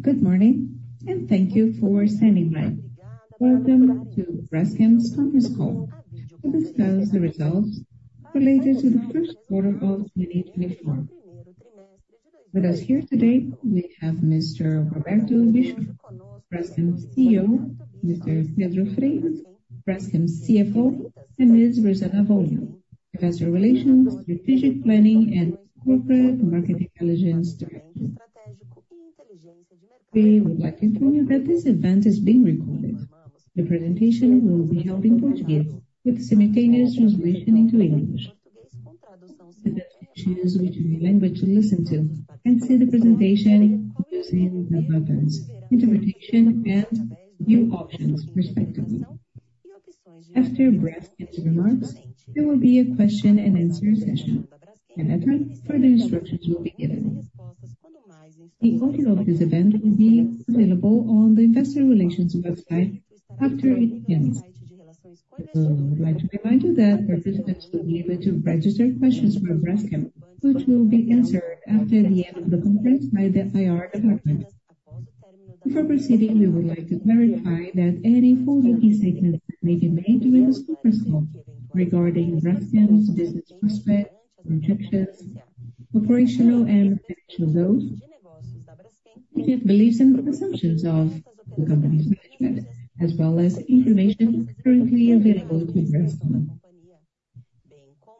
Good morning, and thank you for standing by. Welcome to Braskem's conference call to discuss the results related to the first quarter of 2024. With us here today, we have Mr. Roberto Bischoff, Braskem's CEO, Mr. Pedro Freitas, Braskem's CFO, and Ms. Rosana Avolio, Investor Relations, Strategic Planning, and Corporate Market Intelligence Director. We would like to inform you that this event is being recorded. The presentation will be held in Portuguese, with simultaneous translation into English. You may choose which language to listen to and see the presentation using the buttons Interpretation and View Options, respectively. After Braskem's remarks, there will be a question-and-answer session. At that time, further instructions will be given. The audio of this event will be available on the investor relations website after it ends. I would like to remind you that participants will be able to register questions for Braskem, which will be answered after the end of the conference by the IR department. Before proceeding, we would like to clarify that any forward-looking statements that may be made during this conference call regarding Braskem's business prospect, projections, operational, and financial goals, reflect the beliefs and assumptions of the company's management, as well as information currently available to Braskem.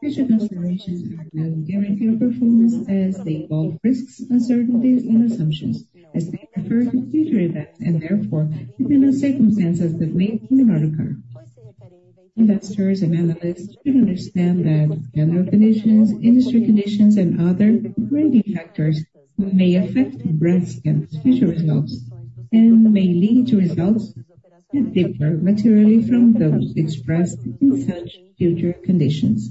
Future considerations are no guarantee of performance, as they involve risks, uncertainties, and assumptions, as they refer to future events and therefore depend on circumstances that may come about occur. Investors and analysts should understand that general conditions, industry conditions, and other driving factors may affect Braskem's future results and may lead to results that differ materially from those expressed in such future conditions.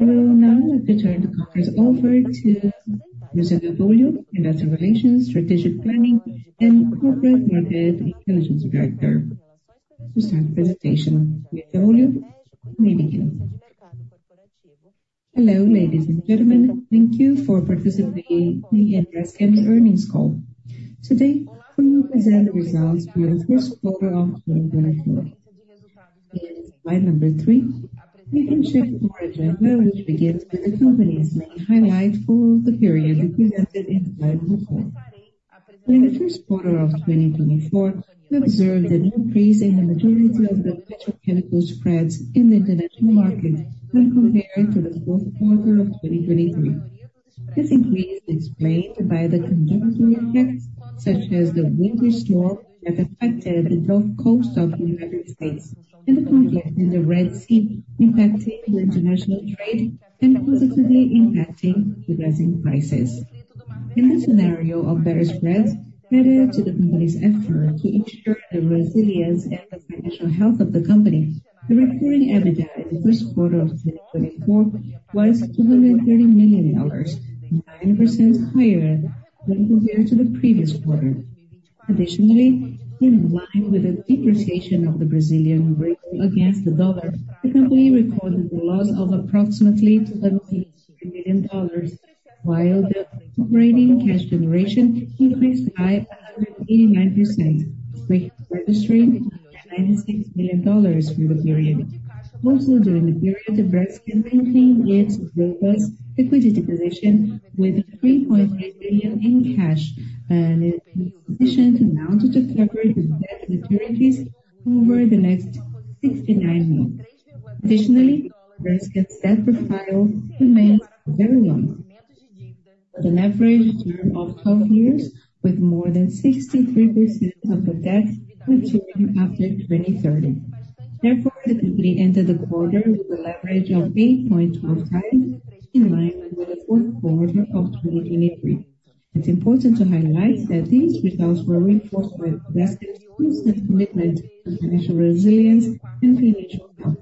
I will now like to turn the conference over to Rosana Avolio, investor relations, Strategic Planning, and Corporate Market Intelligence Director, to start the presentation. Ms. Avolio, over to you. Hello, ladies and gentlemen. Thank you for participating in Braskem's earnings call. Today, we will present the results for the first quarter of 2024. In slide number three, you can check the agenda, which begins with the company's main highlight for the period presented in the title. In the first quarter of 2024, we observed an increase in the majority of the petrochemical spreads in the international market when compared to the fourth quarter of 2023. This increase is explained by the conjunction effects, such as the winter storm that affected the East Coast of the United States and the conflict in the Red Sea, impacting the international trade and positively impacting the resin prices. In this scenario of better spreads, added to the company's effort to ensure the resilience and the financial health of the company, the recurring EBITDA in the first quarter of 2024 was $230 million, 9% higher when compared to the previous quarter. Additionally, in line with the depreciation of the Brazilian real against the dollar, the company recorded a loss of approximately $73 million, while the operating cash generation increased by 189%, with it registering $96 million for the period. Also, during the period, Braskem maintained its robust liquidity position with $3.3 billion in cash, and a sufficient amount to cover the debt maturities over the next 69 months. Additionally, Braskem's debt profile remains very long, with an average term of 12 years, with more than 63% of the debt maturing after 2030. Therefore, the company entered the quarter with a leverage of 8.1x, in line with the fourth quarter of 2023. It's important to highlight that these results were reinforced by Braskem's consistent commitment to financial resilience and financial health.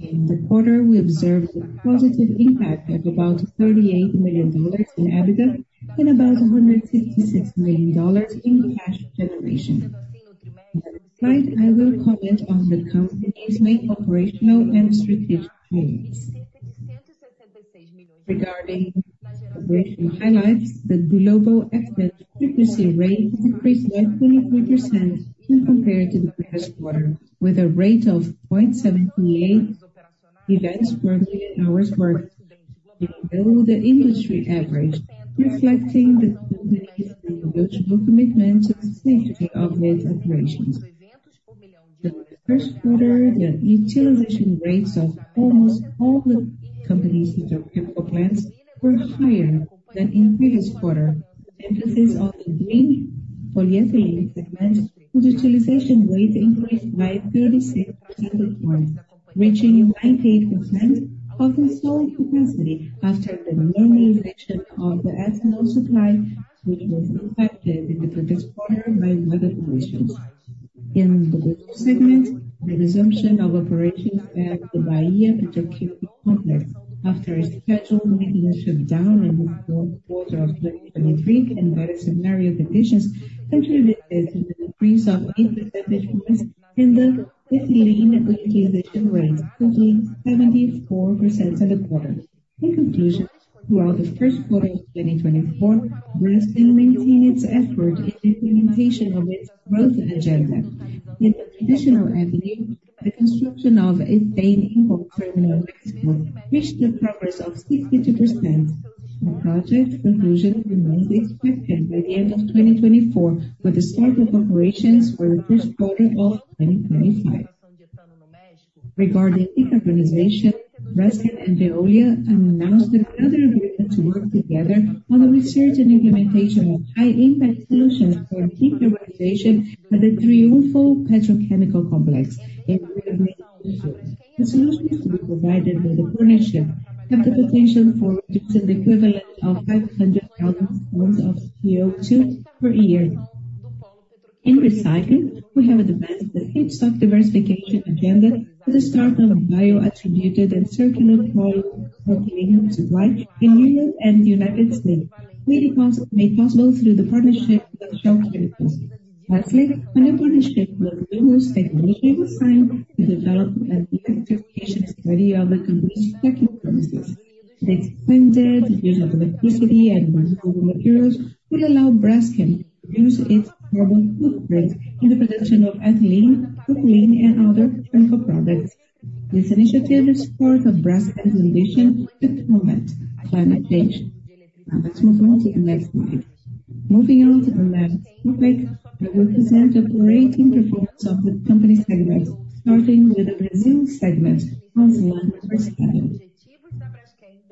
In the quarter, we observed a positive impact of about $38 million in EBITDA and about $166 million in cash generation. Next slide, I will comment on the company's main operational and strategic points. Regarding operational highlights, the Global Accident Frequency Rate increased by 23% when compared to the previous quarter, with a rate of 0.78 events per million hours worked, below the industry average, reflecting the company's ongoing commitment to the safety of its operations. For the first quarter, the utilization rates of almost all the company's petrochemical plants were higher than in previous quarter. Emphasis on the Green Polyethylene segment, whose utilization rate increased by 36 percentage points, reaching 98%, after a slow frequency, after the normalization of the Ethanol supply, which was impacted in the previous quarter by weather conditions. In the segment, the resumption of operations at the Bahia Petrochemical Complex after a scheduled maintenance shutdown in the fourth quarter of 2023 and better scenario conditions contributed to an increase of 8 percentage points in the ethylene utilization rate, reaching 74% in the quarter. In conclusion. Throughout the first quarter of 2024, Braskem maintained its effort in the implementation of its growth agenda. With an additional avenue, the construction of its main import terminal reached the progress of 62%. The project conclusion remains expected by the end of 2024, with the start of operations for the first quarter of 2025. Regarding decarbonization, Braskem and Veolia announced another agreement to work together on the research and implementation of high impact solutions for decarbonization at the Triunfo Petrochemical Complex in Rio Grande do Sul. The solutions to be provided by the partnership have the potential for reducing the equivalent of 500,000 tons of CO₂ per year. In recycling, we have advanced the feedstock diversification agenda with the start of bio-attributed and circular polypropylene supply in Europe and United States, made possible through the partnership with Shell Chemicals. Lastly, a new partnership with Lummus Technology was signed to develop an electrification study of the company's cracking furnaces. The expanded use of electricity and multiple materials will allow Braskem to reduce its carbon footprint in the production of ethylene, propylene, and other chemical products. This initiative is part of Braskem's ambition to combat climate change. Now, let's move on to the next slide. Moving on to the next topic, I will present the operating performance of the company segments, starting with the Brazil segment on slide number seven.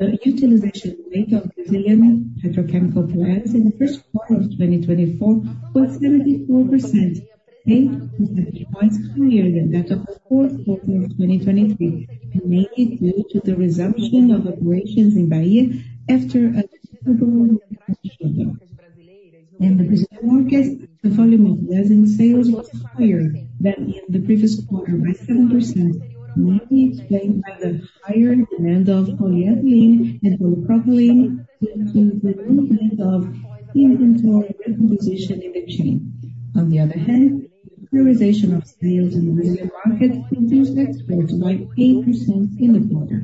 The utilization rate of Brazilian petrochemical plants in the first quarter of 2024 was 74%, 8 percentage points higher than that of the fourth quarter of 2023, mainly due to the resumption of operations in Bahia after a temporary shutdown. In the Brazil markets, the volume of resin sales was higher than in the previous quarter by 7%, mainly explained by the higher demand of polyethylene and polypropylene due to the movement of inventory repositioning in the chain. On the other hand, the polarization of sales in the Brazil market reduced exports by 8% in the quarter.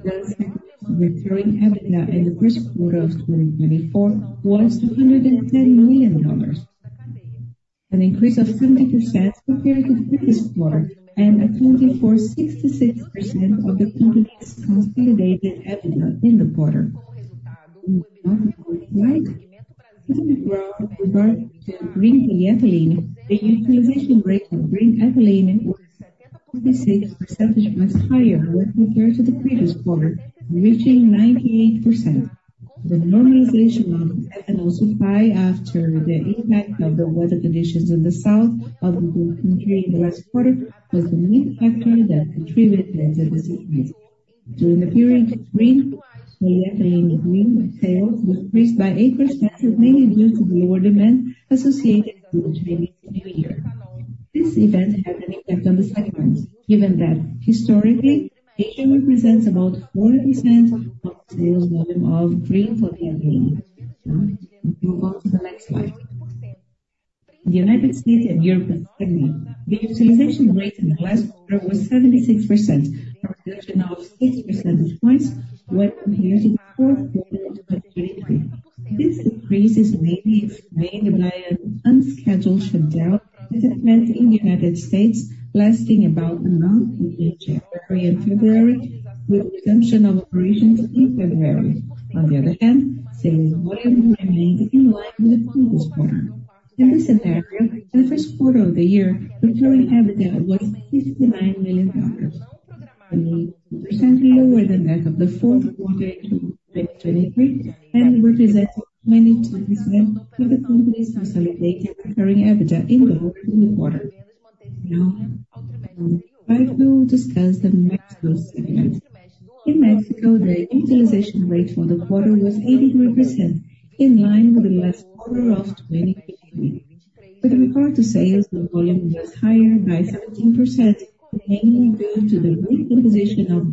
As a result, Braskem's recurring EBITDA in the first quarter of 2024 was $210 million, an increase of 20% compared to the previous quarter, and accounting for 66% of the company's consolidated EBITDA in the quarter. Next slide. In regard to green polyethylene, the utilization rate of green ethylene was 76 percentage points higher when compared to the previous quarter, reaching 98%. The normalization of ethanol supply after the impact of the weather conditions in the south of the country in the last quarter, was the main factor that contributed to this increase. During the period of green, polyethylene green sales decreased by 8%, mainly due to lower demand associated with the Chinese New Year. This event had an effect on the segment, given that historically, Asia represents about 40% of the sales volume of green polyethylene. Now, we move on to the next slide. The United States and Europe segment. The utilization rate in the last quarter was 76%, a reduction of six percentage points when compared to the fourth quarter of 2023. This increase is mainly explained by an unscheduled shutdown at a plant in the United States, lasting about a month between January and February, with resumption of operations in February. On the other hand, sales volume remaining in line with the previous quarter. In this area, the first quarter of the year, recurring EBITDA was $59 million, 20% lower than that of the fourth quarter of 2023, and represents 22% of the company's consolidated recurring EBITDA in dollars in the quarter. Now, I will discuss the Mexico segment. In Mexico, the utilization rate for the quarter was 83%, in line with the last quarter of 2023. With regard to sales, the volume was higher by 17%, mainly due to the reposition of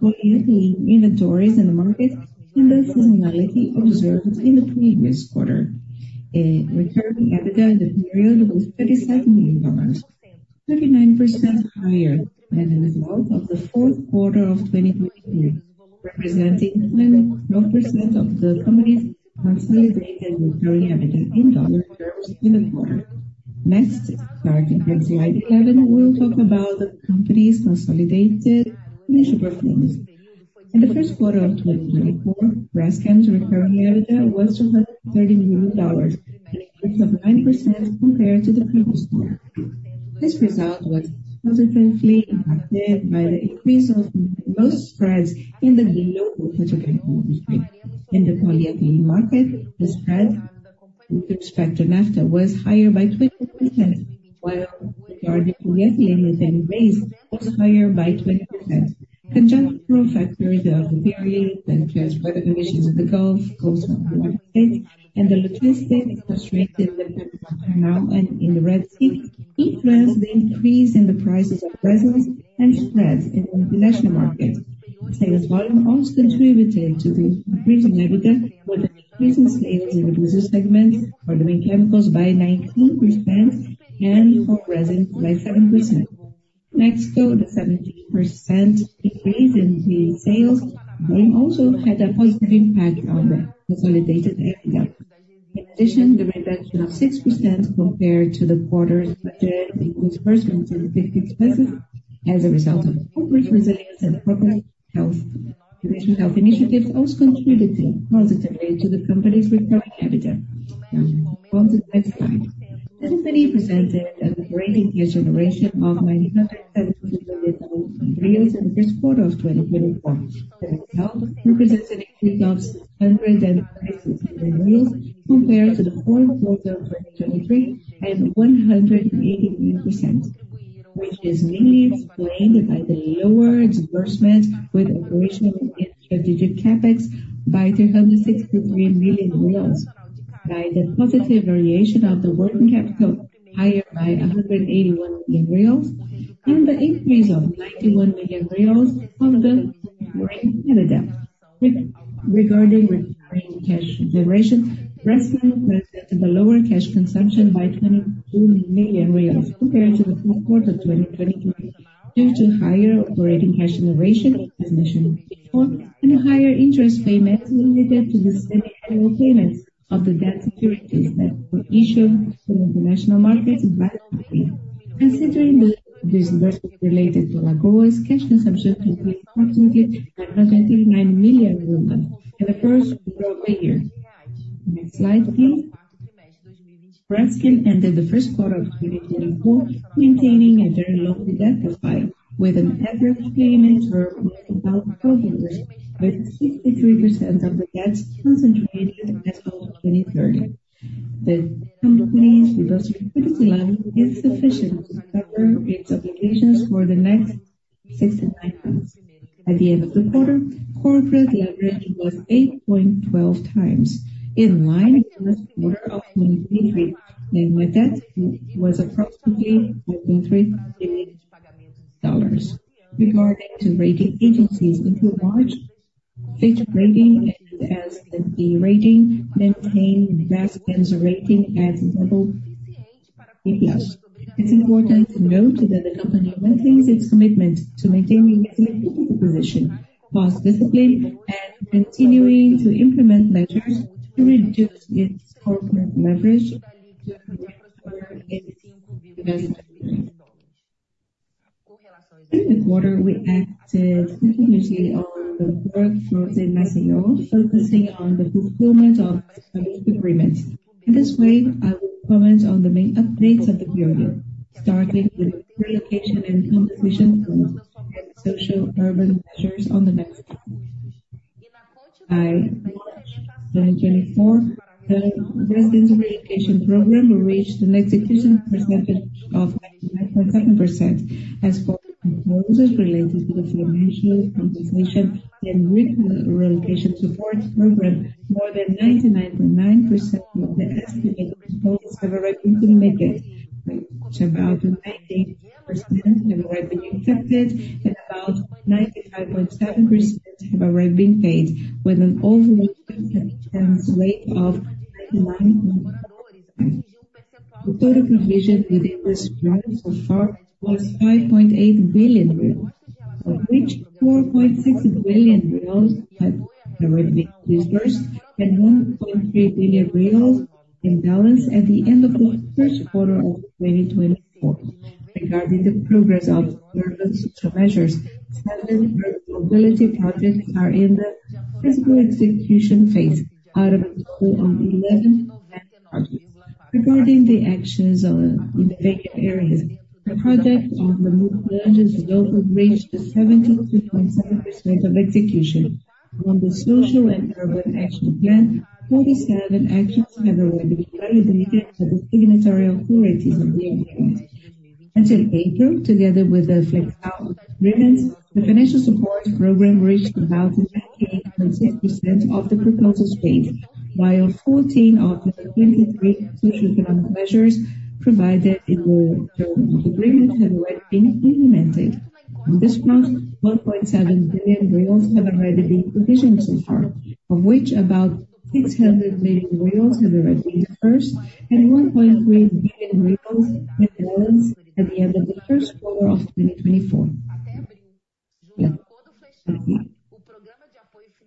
polyethylene inventories in the market and the seasonality observed in the previous quarter. Recurring EBITDA in the period was $37 million, 39% higher than the result of the fourth quarter of 2023, representing 12% of the company's consolidated recurring EBITDA in dollar terms in the quarter. Next, starting on slide 11, we'll talk about the company's consolidated financial performance. In the first quarter of 2024, Braskem's recurring EBITDA was $230 million, an increase of 9% compared to the previous quarter. This result was positively impacted by the increase of most spreads in the global petrochemical industry. In the polyethylene market, the spread with respect to Naphtha was higher by 20%, while the polyethylene spread over ethane was higher by 20%. Conjunctural factors of the period, such as weather conditions in the Gulf Coast of the United States, and the logistics constraints in Panama and in the Red Sea, increased the increase in the prices of resins and spreads in the national market. Sales volume also contributed to the increase in EBITDA, with an increase in sales in the Brazil segment for the main chemicals by 19% and for resin by 7%. Next, the 17% increase in the sales volume also had a positive impact on the consolidated EBITDA. In addition, the reduction of 6% compared to the quarter budget, including personnel and benefits expenses, as a result of corporate resilience and proper health, additional health initiatives, also contributed positively to the company's recurring EBITDA. Yeah, go on to the next slide. This is the presented and operating cash generation of in the first quarter of 2024. That helped in presenting free cash of compared to the fourth quarter of 2023, and 181%, which is mainly explained by the lower disbursements with operational and strategic CapEx by BRL 363 million, by the positive variation of the working capital, higher by BRL 181 million, and the increase of BRL 91 million on the operating EBITDA. Regarding recurring cash generation, Braskem presented a lower cash consumption by 22 million reais compared to the fourth quarter 2023, due to higher operating cash generation and definition, and higher interest payments related to the second payments of the debt securities that were issued in the national markets by the company. Considering the disbursement related to Alagoas, cash consumption increased approximately by BRL 129 million in the first quarter year. Next slide, please. Braskem ended the first quarter of 2024, maintaining a very low debt profile, with an average payment term of about 12 years, with 63% of the debts concentrated as of 2030. The company's liquidity line is sufficient to cover its obligations for the next 69 months. At the end of the quarter, core debt leverage was 8.12x, in line with the quarter of 2023, and with that was approximately $4.3 billion. Regarding rating agencies, in Q1, Fitch Ratings and S&P Global Ratings maintained Braskem's rating as BB+. It's important to note that the company maintains its commitment to maintaining its liquidity position, cost discipline, and continuing to implement measures to reduce its corporate leverage to. In the quarter, we acted continuously on the work front in Maceió, focusing on the fulfillment of agreements. In this way, I will comment on the main updates of the period, starting with relocation and compensation and social urban measures on the next slide. By 2024, the residential relocation program reached an execution percentage of 99.7%. As for proposals related to the financial compensation and relocation support program, more than 99.9% of the estimated proposals have already been made, which about 90% have already been accepted, and about 95.7% have already been paid, with an overall percentage rate of 99.9. The total provision within this program so far was 5.8 billion real, of which 4.6 billion real have already been disbursed, and 1.3 billion real in balance at the end of the first quarter of 2024. Regarding the progress of the urban social measures, seven mobility projects are in the physical execution phase, out of a total of 11 projects. Regarding the actions in the vacant areas, the project on the largest local reached a 73.7% of execution. On the social and urban action plan, 47 actions have already been carried and handed to the signatory authorities of the agreement. Until April, together with the flexible agreements, the financial support program reached about 98.6% of the proposed space, while 14 of the 23 social economic measures provided in the agreement have already been implemented. On this front, 1.7 billion reais have already been provisioned so far, of which about 600 million reais have already been dispersed, and 1.3 billion reais in balance at the end of the first quarter of 2024. Yeah, next slide.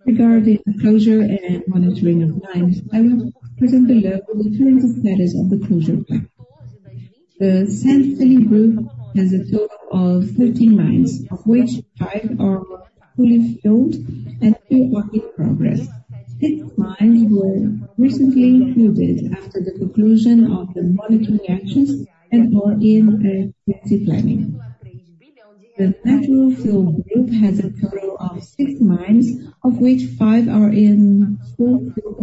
Regarding the closure and monitoring of mines, I will present the low current status of the closure plan. The sand filling group has a total of 13 mines, of which five are fully filled and two are in progress. Six mines were recently included after the conclusion of the monitoring actions and are in activity planning. The natural fill group has a total of six mines, of which five are in full fill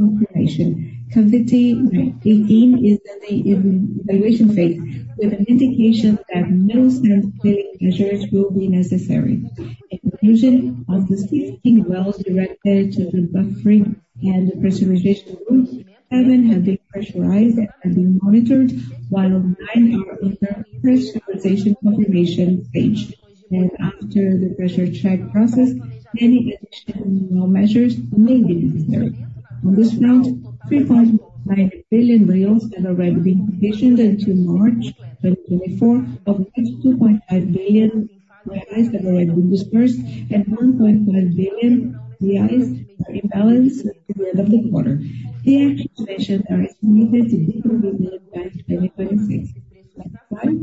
confirmation. Cavity 18 is in evaluation phase, with an indication that no sand filling measures will be necessary. In conclusion, of the 16 wells directed to the buffering and the pressurization groups, seven have been pressurized and are being monitored, while nine are in the pressurization confirmation phase. After the pressure check process, any additional measures may be necessary. On this front, 3.5 billion have already been provisioned into March 2024, of which 2.5 billion reais have already been dispersed, and 1.5 billion reais are in balance at the end of the quarter. The actions mentioned are estimated to be completed by 2026. Next slide.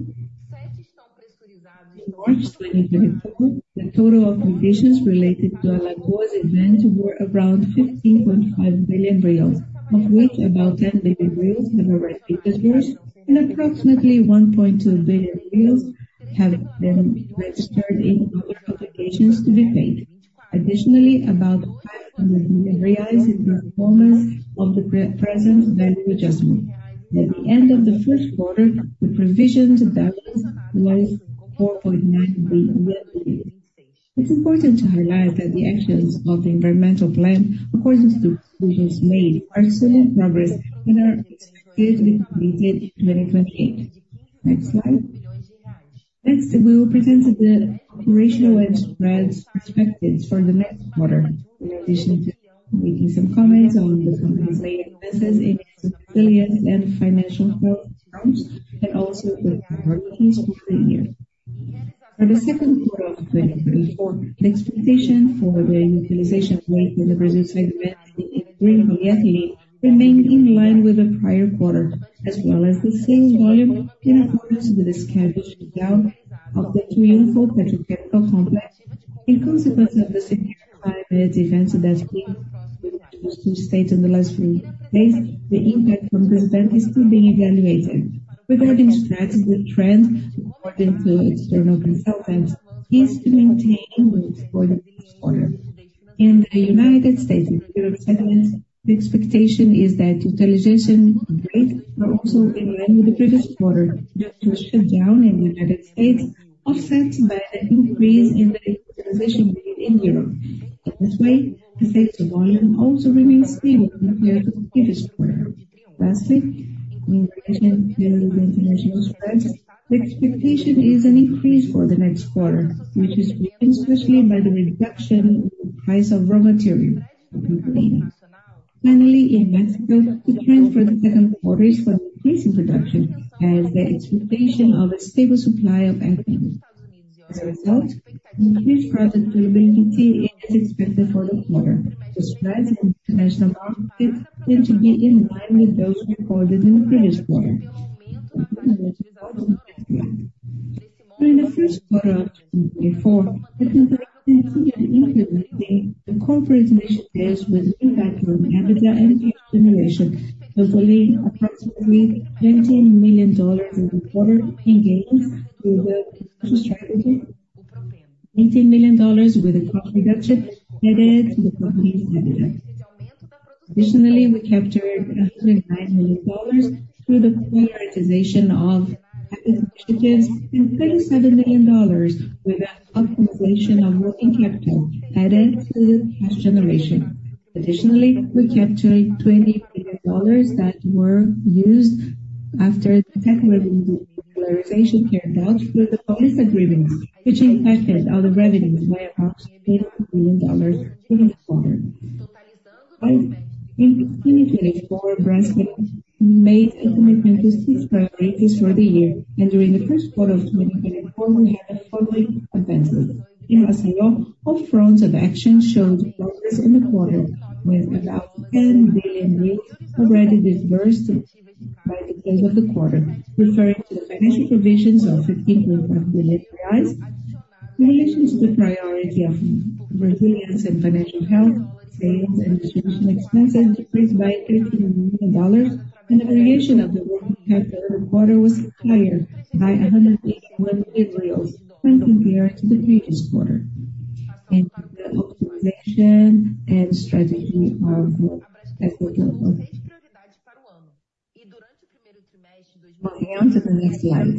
In March 2024, the total of provisions related to Alagoas event were around 15.5 billion reais, of which about 10 billion reais have already been dispersed, and approximately 1.2 billion reais have been registered in other obligations to be paid. Additionally, about 500 million reais is the performance of the present value adjustment. At the end of the first quarter, the provision to balance was 4.9 billion. It's important to highlight that the actions of the environmental plan, according to provisions made, are solid progress and are expected to be completed in 2028. Next slide. Next, we will present the operational and general perspectives for the next quarter, in addition to making some comments on the company's main business in resilience and financial health terms, and also the priorities for the year. For the second quarter of 2024, the expectation for the utilization rate in the Brazil segment in green ethylene remained in line with the prior quarter, as well as the same volume in accordance with the scheduled shutdown of the Triunfo Petrochemical Complex. In consequence of the significant climate events that we've experienced in the state in the last few days, the impact from this event is still being evaluated. Regarding strategy, the trend, according to external consultants, is to maintain growth for the next quarter. In the United States and Europe segments, the expectation is that utilization rates are also in line with the previous quarter, the shutdown in the United States, offset by an increase in the utilization rate in Europe. In this way, the sector volume also remains stable compared to the previous quarter. Lastly, in relation to the international spreads, the expectation is an increase for the next quarter, which is driven especially by the reduction in the price of raw material, propane. Finally, in Mexico, the trend for the second quarter is for an increase in production as the expectation of a stable supply of ethane. As a result, increased product availability is expected for the quarter. The spreads in the international market tend to be in line with those recorded in the previous quarter. For the first quarter of 2024, the company continued implementing the corporate initiatives with impact on capital and cash generation, totaling approximately $20 million in the quarter in gains through the strategy, $18 million with the cost reduction added to the company's capital. Additionally, we captured $109 million through the prioritization of capital initiatives and $27 million with an optimization of working capital added to the cash generation. Additionally, we captured $20 million that were used after the securitization carried out through the bonus agreements, which impacted on the revenues by approximately $8 million during the quarter. In 2024, Braskem made a commitment to six priorities for the year, and during the first quarter of 2024, we had the following advances. In Maceió, all fronts of action showed progress in the quarter, with about 10 billion already dispersed by the close of the quarter, referring to the financial provisions of 15.5 billion reais. In relation to the priority of resilience and financial health, sales and distribution expenses decreased by $13 million, and the variation of the working capital quarter was higher by 181 million when compared to the previous quarter. The optimization and strategy of the capital. On to the next slide.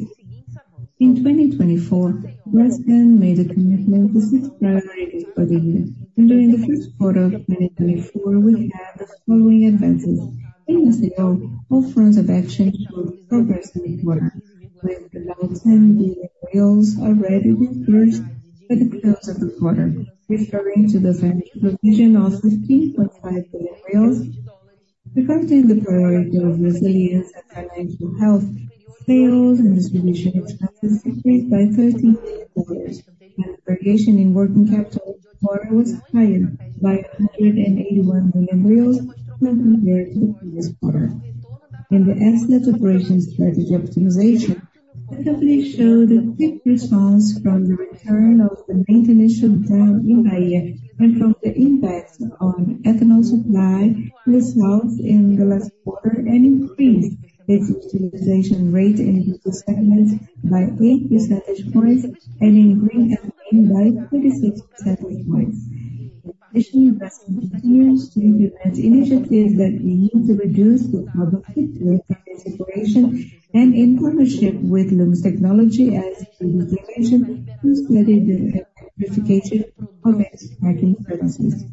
In 2024, Braskem made a commitment to six priorities for the year, and during the first quarter of 2024, we had the following advances. In Maceió, all fronts of action showed progress in the quarter, with about BRL 10 billion already dispersed by the close of the quarter, referring to the financial provision of BRL 15.5 billion. Regarding the priority of resilience and financial health, sales and distribution expenses decreased by $13 million, and the variation in working capital quarter was higher by 181 million when compared to the previous quarter. In the asset operation strategy optimization, the company showed a quick response from the return of the maintenance shutdown in Bahia and from the impacts on ethanol supply in the south in the last quarter, and increased its utilization rate in the segment by 8 percentage points and in green ethylene by 36 percentage points. Additionally, Braskem continues to implement initiatives that aim to reduce the carbon footprint in separation and in partnership with Lummus Technology as utilization and studied the electrification of its cracking furnaces.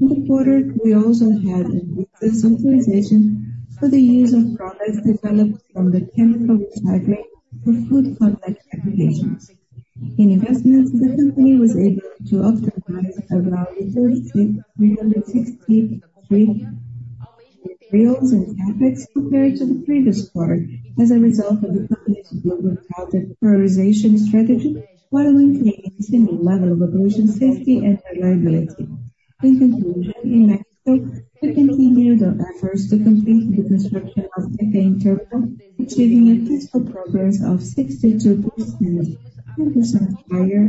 In the quarter, we also had increased synchronization for the use of products developed from the chemical recycling for food contact applications. In investments, the company was able to optimize around 363 million and CapEx compared to the previous quarter, as a result of the company's global prioritization strategy, while maintaining the same level of evolution, safety, and reliability. In conclusion, in Mexico, we continued our efforts to complete the construction of ethane terminal, achieving a physical progress of 62%, and this is higher than the stage on December 2018. That's the presentation, progress, and results for the first quarter of 2023. Thank you very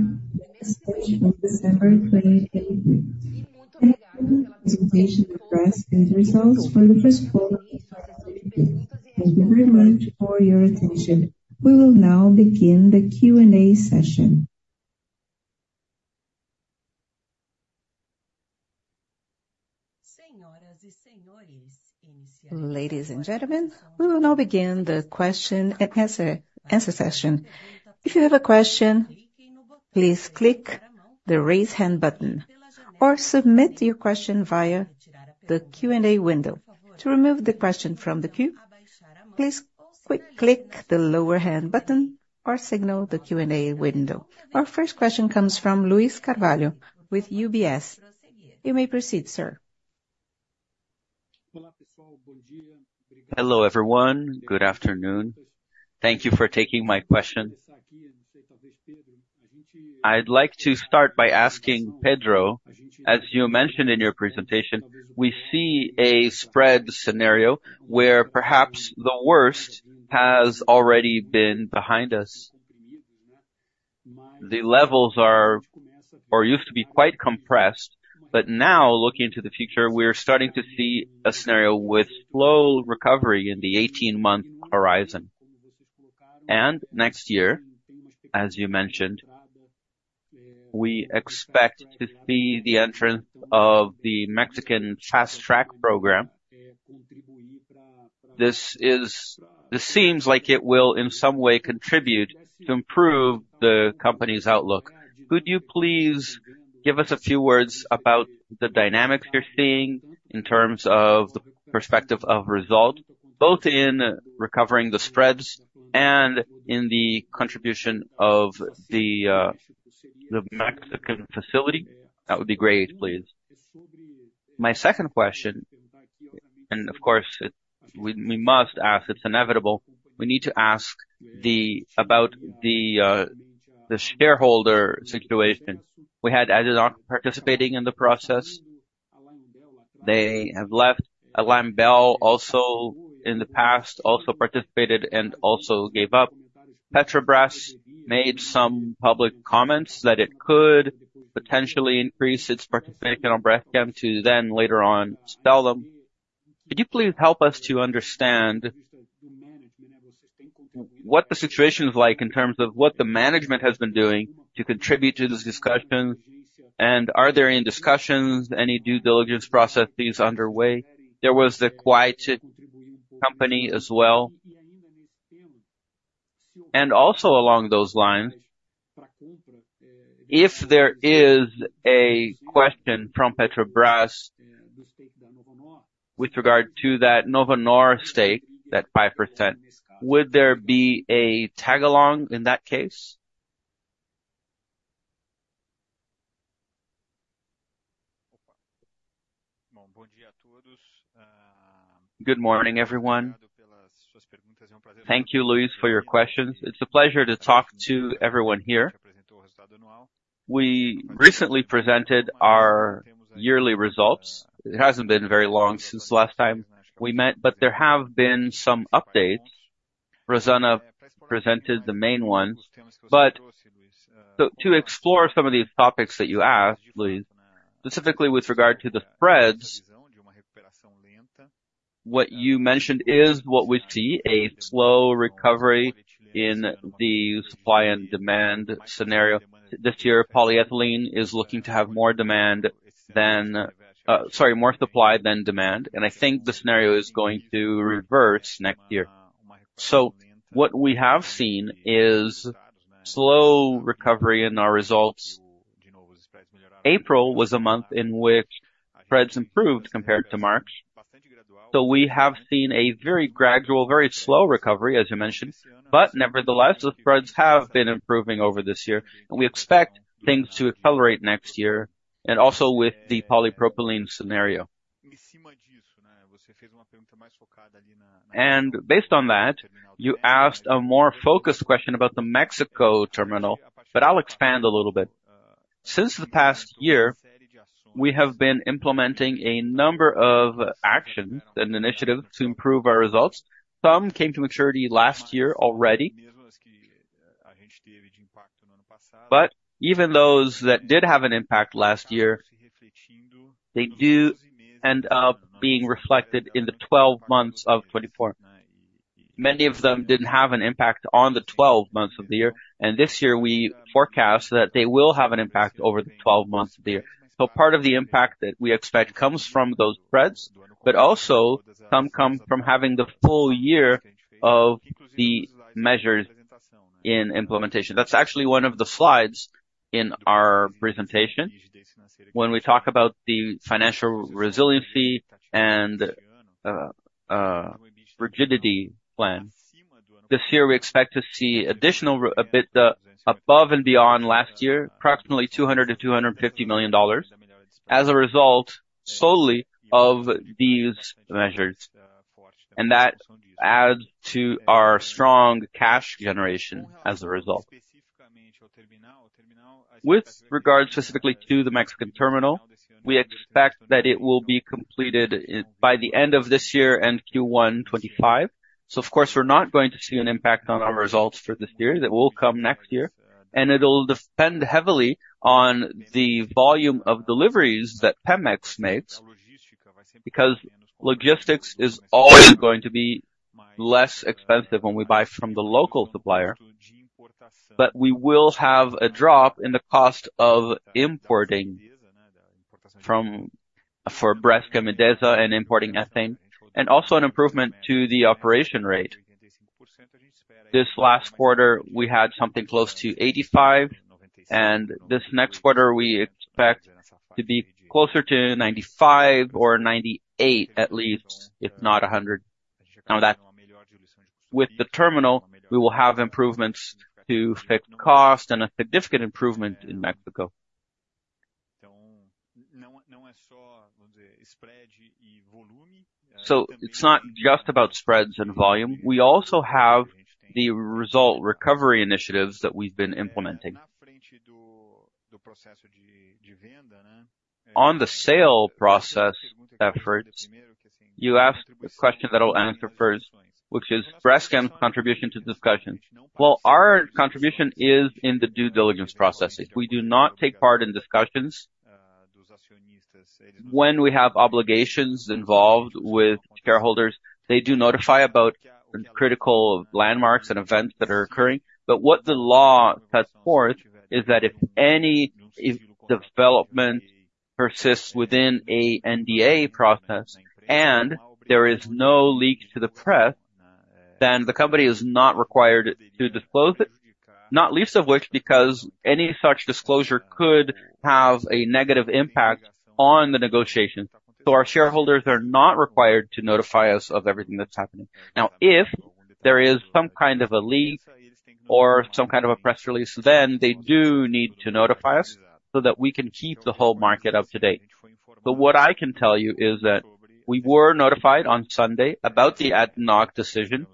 much for your attention. We will now begin the Q&A session. Ladies and gentlemen, we will now begin the question and answer, answer session. If you have a question, please click the Raise Hand button, or submit your question via the Q&A window. To remove the question from the queue, please quick-click the Lower Hand button or signal the Q&A window. Our first question comes from Luiz Carvalho with UBS. You may proceed, sir. Hello, everyone. Good afternoon. Thank you for taking my question. I'd like to start by asking Pedro, as you mentioned in your presentation, we see a spread scenario where perhaps the worst has already been behind us. The levels are, or used to be quite compressed, but now looking into the future, we are starting to see a scenario with slow recovery in the 18-month horizon. And next year, as you mentioned, we expect to see the entrance of the Mexican Fast Track program. This is, this seems like it will, in some way, contribute to improve the company's outlook. Could you please give us a few words about the dynamics you're seeing in terms of the perspective of result, both in recovering the spreads and in the contribution of the, the Mexican facility? That would be great, please. My second question, and of course, we must ask, it's inevitable. We need to ask about the shareholder situation. We had ADNOC participating in the process. They have left. Apollo, also in the past, also participated and also gave up. Petrobras made some public comments that it could potentially increase its participation on Braskem to then later on, sell them. Could you please help us to understand what the situation is like in terms of what the management has been doing to contribute to this discussion? And are there any discussions, any due diligence processes underway? There was the Kuwait company as well. And also along those lines, if there is a question from Petrobras with regard to that Novonor stake, that 5%, would there be a tag along in that case? Good morning, everyone. Thank you, Luiz, for your questions. It's a pleasure to talk to everyone here. We recently presented our yearly results. It hasn't been very long since last time we met, but there have been some updates. Rosana presented the main one. But to explore some of these topics that you asked, Luiz, specifically with regard to the spreads, what you mentioned is what we see, a slow recovery in the supply and demand scenario. This year, polyethylene is looking to have more demand than, Sorry, more supply than demand, and I think the scenario is going to reverse next year. So what we have seen is slow recovery in our results. April was a month in which spreads improved compared to March, so we have seen a very gradual, very slow recovery, as you mentioned. But nevertheless, the spreads have been improving over this year, and we expect things to accelerate next year, and also with the polypropylene scenario. And based on that, you asked a more focused question about the Mexico terminal, but I'll expand a little bit. Since the past year, we have been implementing a number of actions and initiatives to improve our results. Some came to maturity last year already. But even those that did have an impact last year, they do end up being reflected in the 12 months of 2024. Many of them didn't have an impact on the 12 months of the year, and this year we forecast that they will have an impact over the 12 months of the year. So part of the impact that we expect comes from those spreads, but also some come from having the full year of the measures in implementation. That's actually one of the slides in our presentation. When we talk about the financial resiliency and rigidity plan. This year, we expect to see additional EBITDA above and beyond last year, approximately $200 million-$250 million, as a result, solely of these measures. And that adds to our strong cash generation as a result. With regard specifically to the Mexican terminal, we expect that it will be completed by the end of this year and Q1 2025. So of course, we're not going to see an impact on our results for this year. That will come next year, and it'll depend heavily on the volume of deliveries that Pemex makes, because logistics is always going to be less expensive when we buy from the local supplier. But we will have a drop in the cost of importing from, for Braskem Idesa and importing ethane, and also an improvement to the operation rate. This last quarter, we had something close to 85, and this next quarter, we expect to be closer to 95 or 98 at least, if not 100. Now that with the terminal, we will have improvements to fixed cost and a significant improvement in Mexico. So it's not just about spreads and volume, we also have the result recovery initiatives that we've been implementing. On the sale process efforts, you asked a question that I'll answer first, which is Braskem contribution to discussions. Well, our contribution is in the due diligence processes. We do not take part in discussions. When we have obligations involved with shareholders, they do notify about critical landmarks and events that are occurring, but what the law sets forth is that if any development persists within an NDA process and there is no leak to the press, then the company is not required to disclose it, not least of which, because any such disclosure could have a negative impact on the negotiations. So our shareholders are not required to notify us of everything that's happening. Now, if there is some kind of a leak or some kind of a press release, then they do need to notify us so that we can keep the whole market up to date. But what I can tell you is that we were notified on Sunday about the ADNOC decision.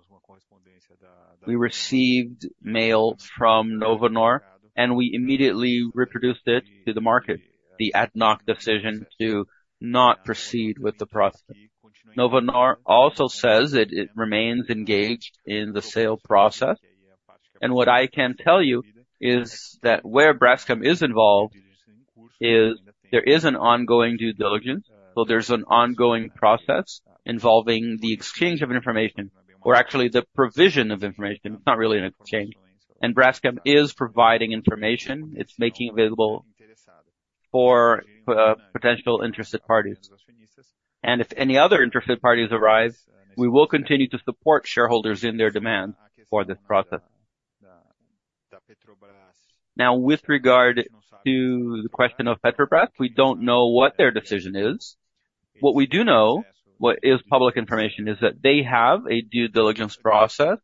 We received mail from Novonor, and we immediately reproduced it to the market, the ADNOC decision to not proceed with the process. Novonor also says that it remains engaged in the sale process, and what I can tell you is that where Braskem is involved is there is an ongoing due diligence. So there's an ongoing process involving the exchange of information, or actually the provision of information. It's not really an exchange. And Braskem is providing information. It's making available for, potential interested parties. And if any other interested parties arise, we will continue to support shareholders in their demand for this process. Now, with regard to the question of Petrobras, we don't know what their decision is. What we do know, what is public information, is that they have a due diligence process,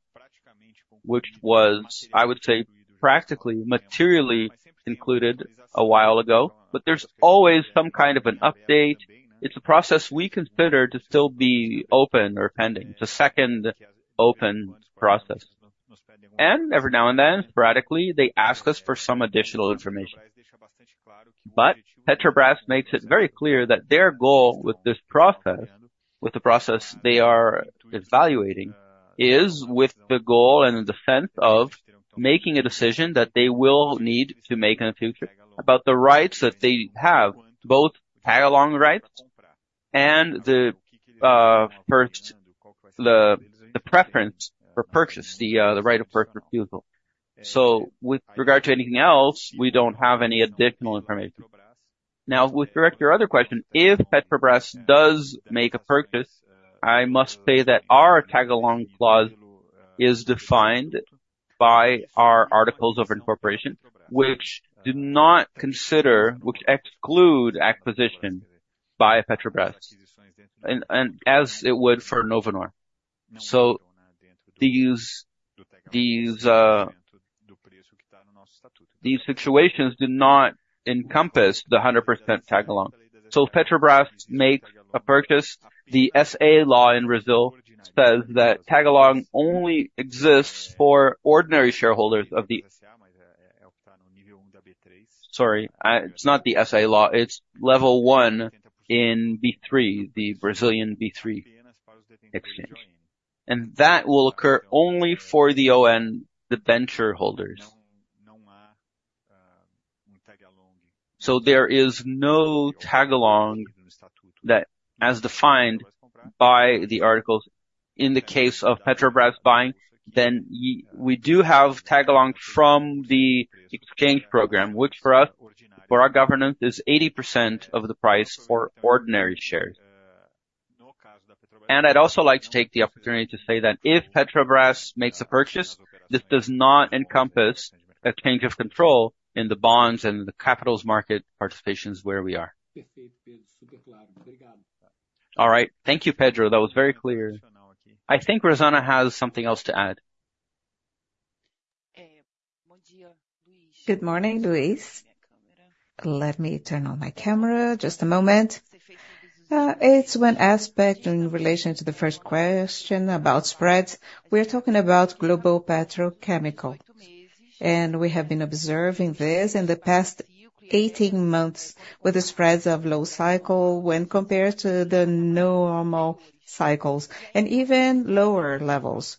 which was, I would say, practically, materially included a while ago, but there's always some kind of an update. It's a process we consider to still be open or pending, the second open process. And every now and then, sporadically, they ask us for some additional information. But Petrobras makes it very clear that their goal with this process, with the process they are evaluating, is with the goal and in the sense of making a decision that they will need to make in the future about the rights that they have, both tag-along rights and the first, the preference for purchase, the right of first refusal. So with regard to anything else, we don't have any additional information. Now, with regard to your other question, if Petrobras does make a purchase, I must say that our tag-along clause is defined by our articles of incorporation, which exclude acquisition by Petrobras, and as it would for Novonor. So these situations do not encompass the 100% tag-along. So Petrobras makes a purchase, the SA law in Brazil says that tag-along only exists for ordinary shareholders of the—Sorry, it's not the SA law, it's level one in B3, the Brazilian B3 exchange. And that will occur only for the ON, the venture holders. So there is no tag-along that, as defined by the articles in the case of Petrobras buying, then we do have tag-along from the exchange program, which for us, for our governance, is 80% of the price for ordinary shares. And I'd also like to take the opportunity to say that if Petrobras makes a purchase, this does not encompass a change of control in the bonds and the capital markets participations where we are. All right. Thank you, Pedro. That was very clear. I think Rosana has something else to add. Good morning, Luiz. Let me turn on my camera. Just a moment. It's one aspect in relation to the first question about spreads. We're talking about global petrochemical, and we have been observing this in the past 18 months, with the spreads of low cycle when compared to the normal cycles and even lower levels.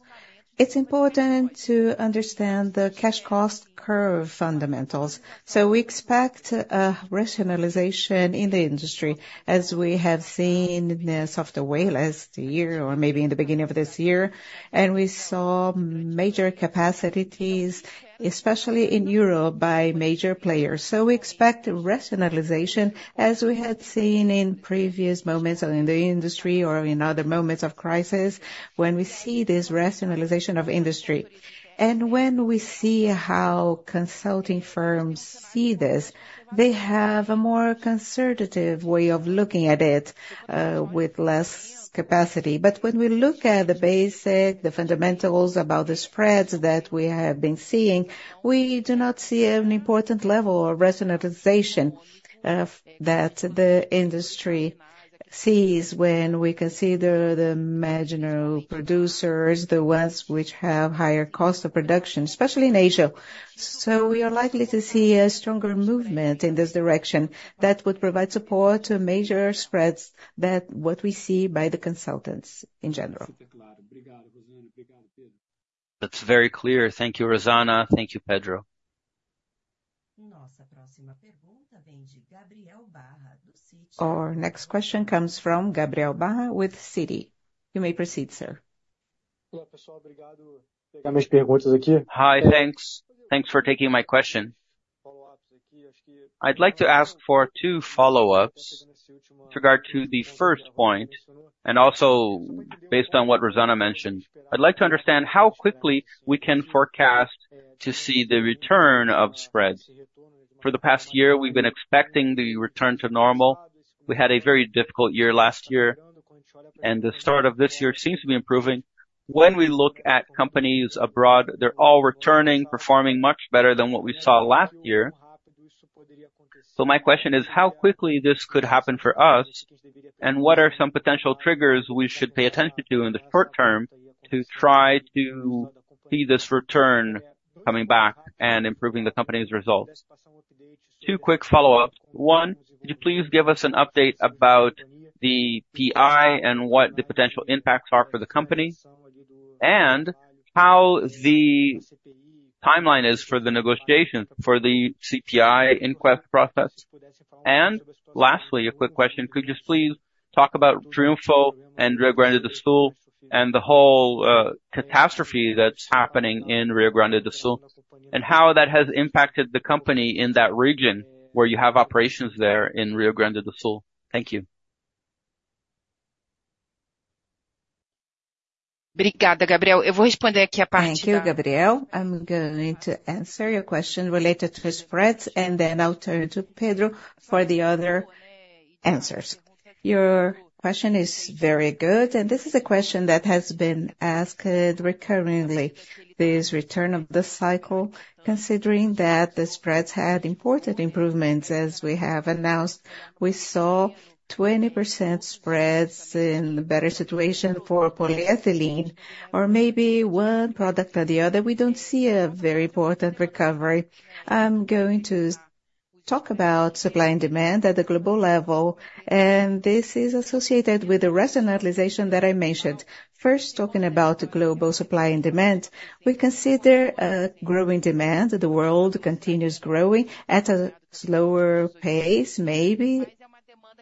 It's important to understand the cash cost curve fundamentals. So we expect a rationalization in the industry, as we have seen this of the way last year or maybe in the beginning of this year, and we saw major capacities, especially in Europe, by major players. So we expect rationalization, as we had seen in previous moments in the industry or in other moments of crisis, when we see this rationalization of industry. And when we see how consulting firms see this, they have a more conservative way of looking at it, with less capacity. But when we look at the fundamentals about the spreads that we have been seeing, we do not see an important level of rationalization of that the industry sees when we consider the marginal producers, the ones which have higher cost of production, especially in Asia. So we are likely to see a stronger movement in this direction that would provide support to major spreads than what we see by the consultants in general. That's very clear. Thank you, Rosana. Thank you, Pedro. Our next question comes from Gabriel Barra with Citi. You may proceed, sir. Hi, thanks. Thanks for taking my question. I'd like to ask for two follow-ups regarding the first point, and also based on what Rosana mentioned. I'd like to understand how quickly we can forecast to see the return of spreads. For the past year, we've been expecting the return to normal. We had a very difficult year last year, and the start of this year seems to be improving. When we look at companies abroad, they're all returning, performing much better than what we saw last year. So my question is, how quickly this could happen for us? And what are some potential triggers we should pay attention to in the short term to try to see this return coming back and improving the company's results? Two quick follow-ups. One, could you please give us an update about the PI and what the potential impacts are for the company, and how the timeline is for the negotiation for the CPI inquiry process? And lastly, a quick question: Could you please talk about Triunfo and Rio Grande do Sul and the whole, catastrophe that's happening in Rio Grande do Sul, and how that has impacted the company in that region where you have operations there in Rio Grande do Sul? Thank you. Thank you, Gabriel. I'm going to answer your question related to spreads, and then I'll turn to Pedro for the other answers. Your question is very good, and this is a question that has been asked recurrently, this return of the cycle, considering that the spreads had important improvements. As we have announced, we saw 20% spreads in a better situation for polyethylene or maybe one product or the other. We don't see a very important recovery. I'm going to talk about supply and demand at the global level, and this is associated with the rationalization that I mentioned. First, talking about the global supply and demand, we consider a growing demand. The world continues growing at a slower pace, maybe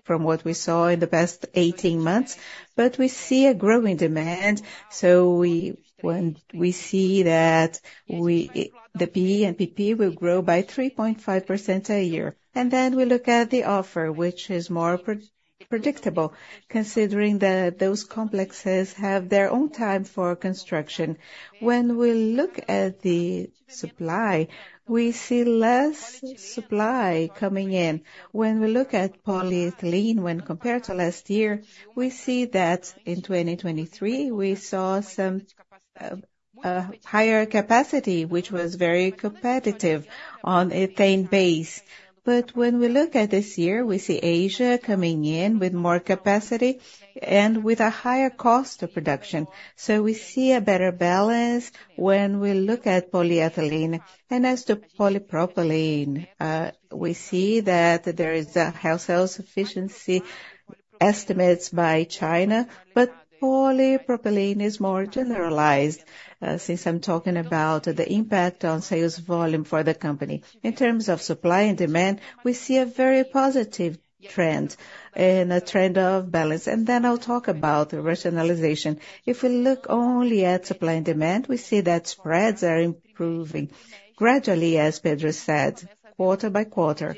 from what we saw in the past 18 months, but we see a growing demand. So when we see that we, the PE and PP will grow by 3.5% a year. And then we look at the offer, which is more predictable, considering that those complexes have their own time for construction. When we look at the supply, we see less supply coming in. When we look at polyethylene, when compared to last year, we see that in 2023, we saw some a higher capacity, which was very competitive on ethane base. But when we look at this year, we see Asia coming in with more capacity and with a higher cost of production. So we see a better balance when we look at polyethylene. And as to polypropylene, we see that there is a how the sufficiency estimates by China, but polypropylene is more generalized, since I'm talking about the impact on sales volume for the company. In terms of supply and demand, we see a very positive trend and a trend of balance, and then I'll talk about rationalization. If we look only at supply and demand, we see that spreads are improving gradually, as Pedro said, quarter by quarter.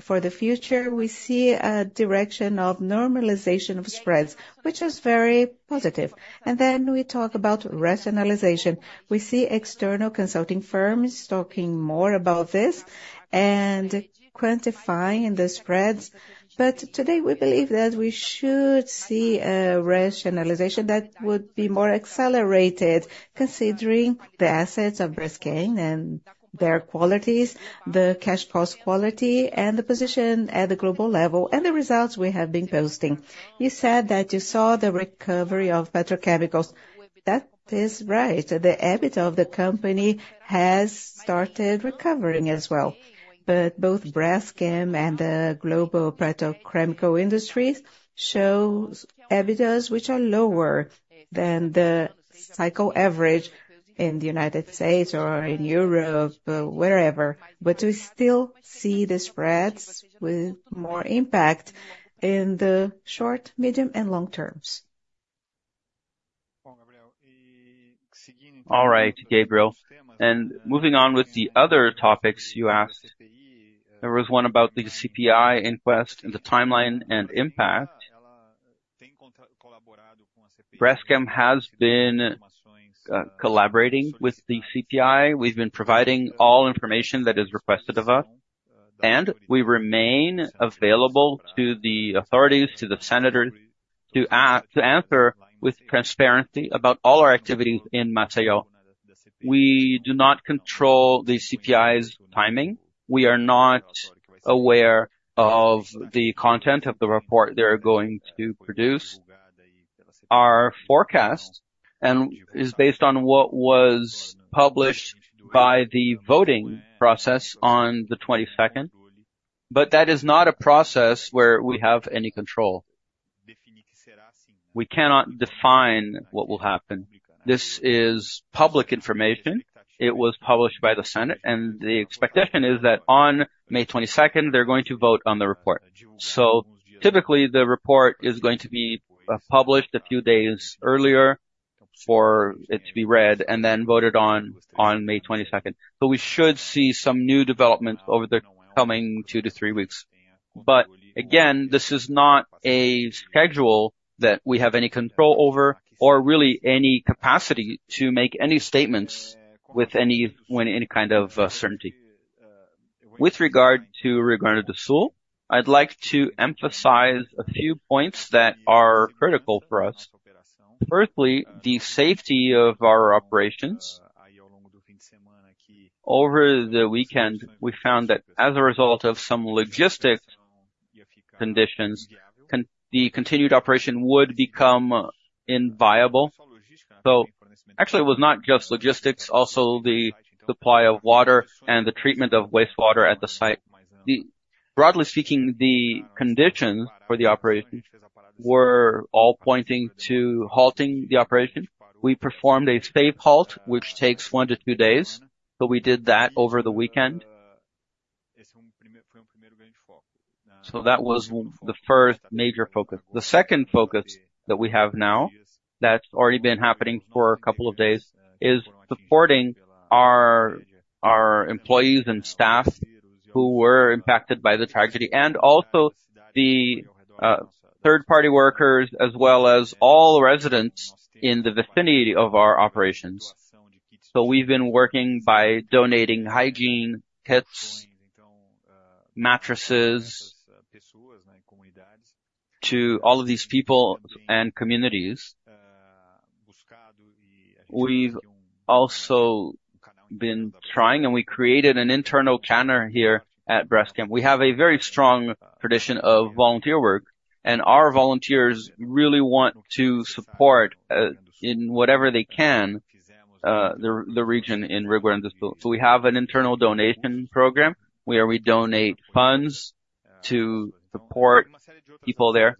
For the future, we see a direction of normalization of spreads, which is very positive. We talk about rationalization. We see external consulting firms talking more about this and quantifying the spreads. But today, we believe that we should see a rationalization that would be more accelerated, considering the assets of Braskem and their qualities, the cash cost quality and the position at the global level, and the results we have been posting. You said that you saw the recovery of petrochemicals. That is right. The EBITDA of the company has started recovering as well. But both Braskem and the global petrochemical industries show EBITDAs which are lower than the cycle average in the United States or in Europe, wherever. But we still see the spreads with more impact in the short, medium, and long terms. All right, Gabriel. Moving on with the other topics you asked, there was one about the CPI inquiry and the timeline and impact. Braskem has been collaborating with the CPI. We've been providing all information that is requested of us, and we remain available to the authorities, to the senator, to answer with transparency about all our activities in Maceió. We do not control the CPI's timing. We are not aware of the content of the report they're going to produce. Our forecast is based on what was published by the voting process on the 22nd, but that is not a process where we have any control. We cannot define what will happen. This is public information. It was published by the Senate, and the expectation is that on May 22nd, they're going to vote on the report. So typically, the report is going to be published a few days earlier for it to be read and then voted on, on May 22nd. But we should see some new developments over the coming two to three weeks. But again, this is not a schedule that we have any control over or really any capacity to make any statements with any, with any kind of certainty. With regard to Rio Grande do Sul, I'd like to emphasize a few points that are critical for us. Firstly, the safety of our operations. Over the weekend, we found that as a result of some logistics conditions, the continued operation would become inviable. So actually, it was not just logistics, also the supply of water and the treatment of wastewater at the site. Broadly speaking, the conditions for the operation were all pointing to halting the operation. We performed a safe halt, which takes one to two days, so we did that over the weekend. So that was the first major focus. The second focus that we have now, that's already been happening for a couple of days, is supporting our employees and staff who were impacted by the tragedy, and also the third-party workers, as well as all residents in the vicinity of our operations. So we've been working by donating hygiene kits, mattresses, to all of these people and communities. We've also been trying, and we created an internal calendar here at Braskem. We have a very strong tradition of volunteer work, and our volunteers really want to support in whatever they can the region in Rio Grande do Sul. We have an internal donation program, where we donate funds to support people there,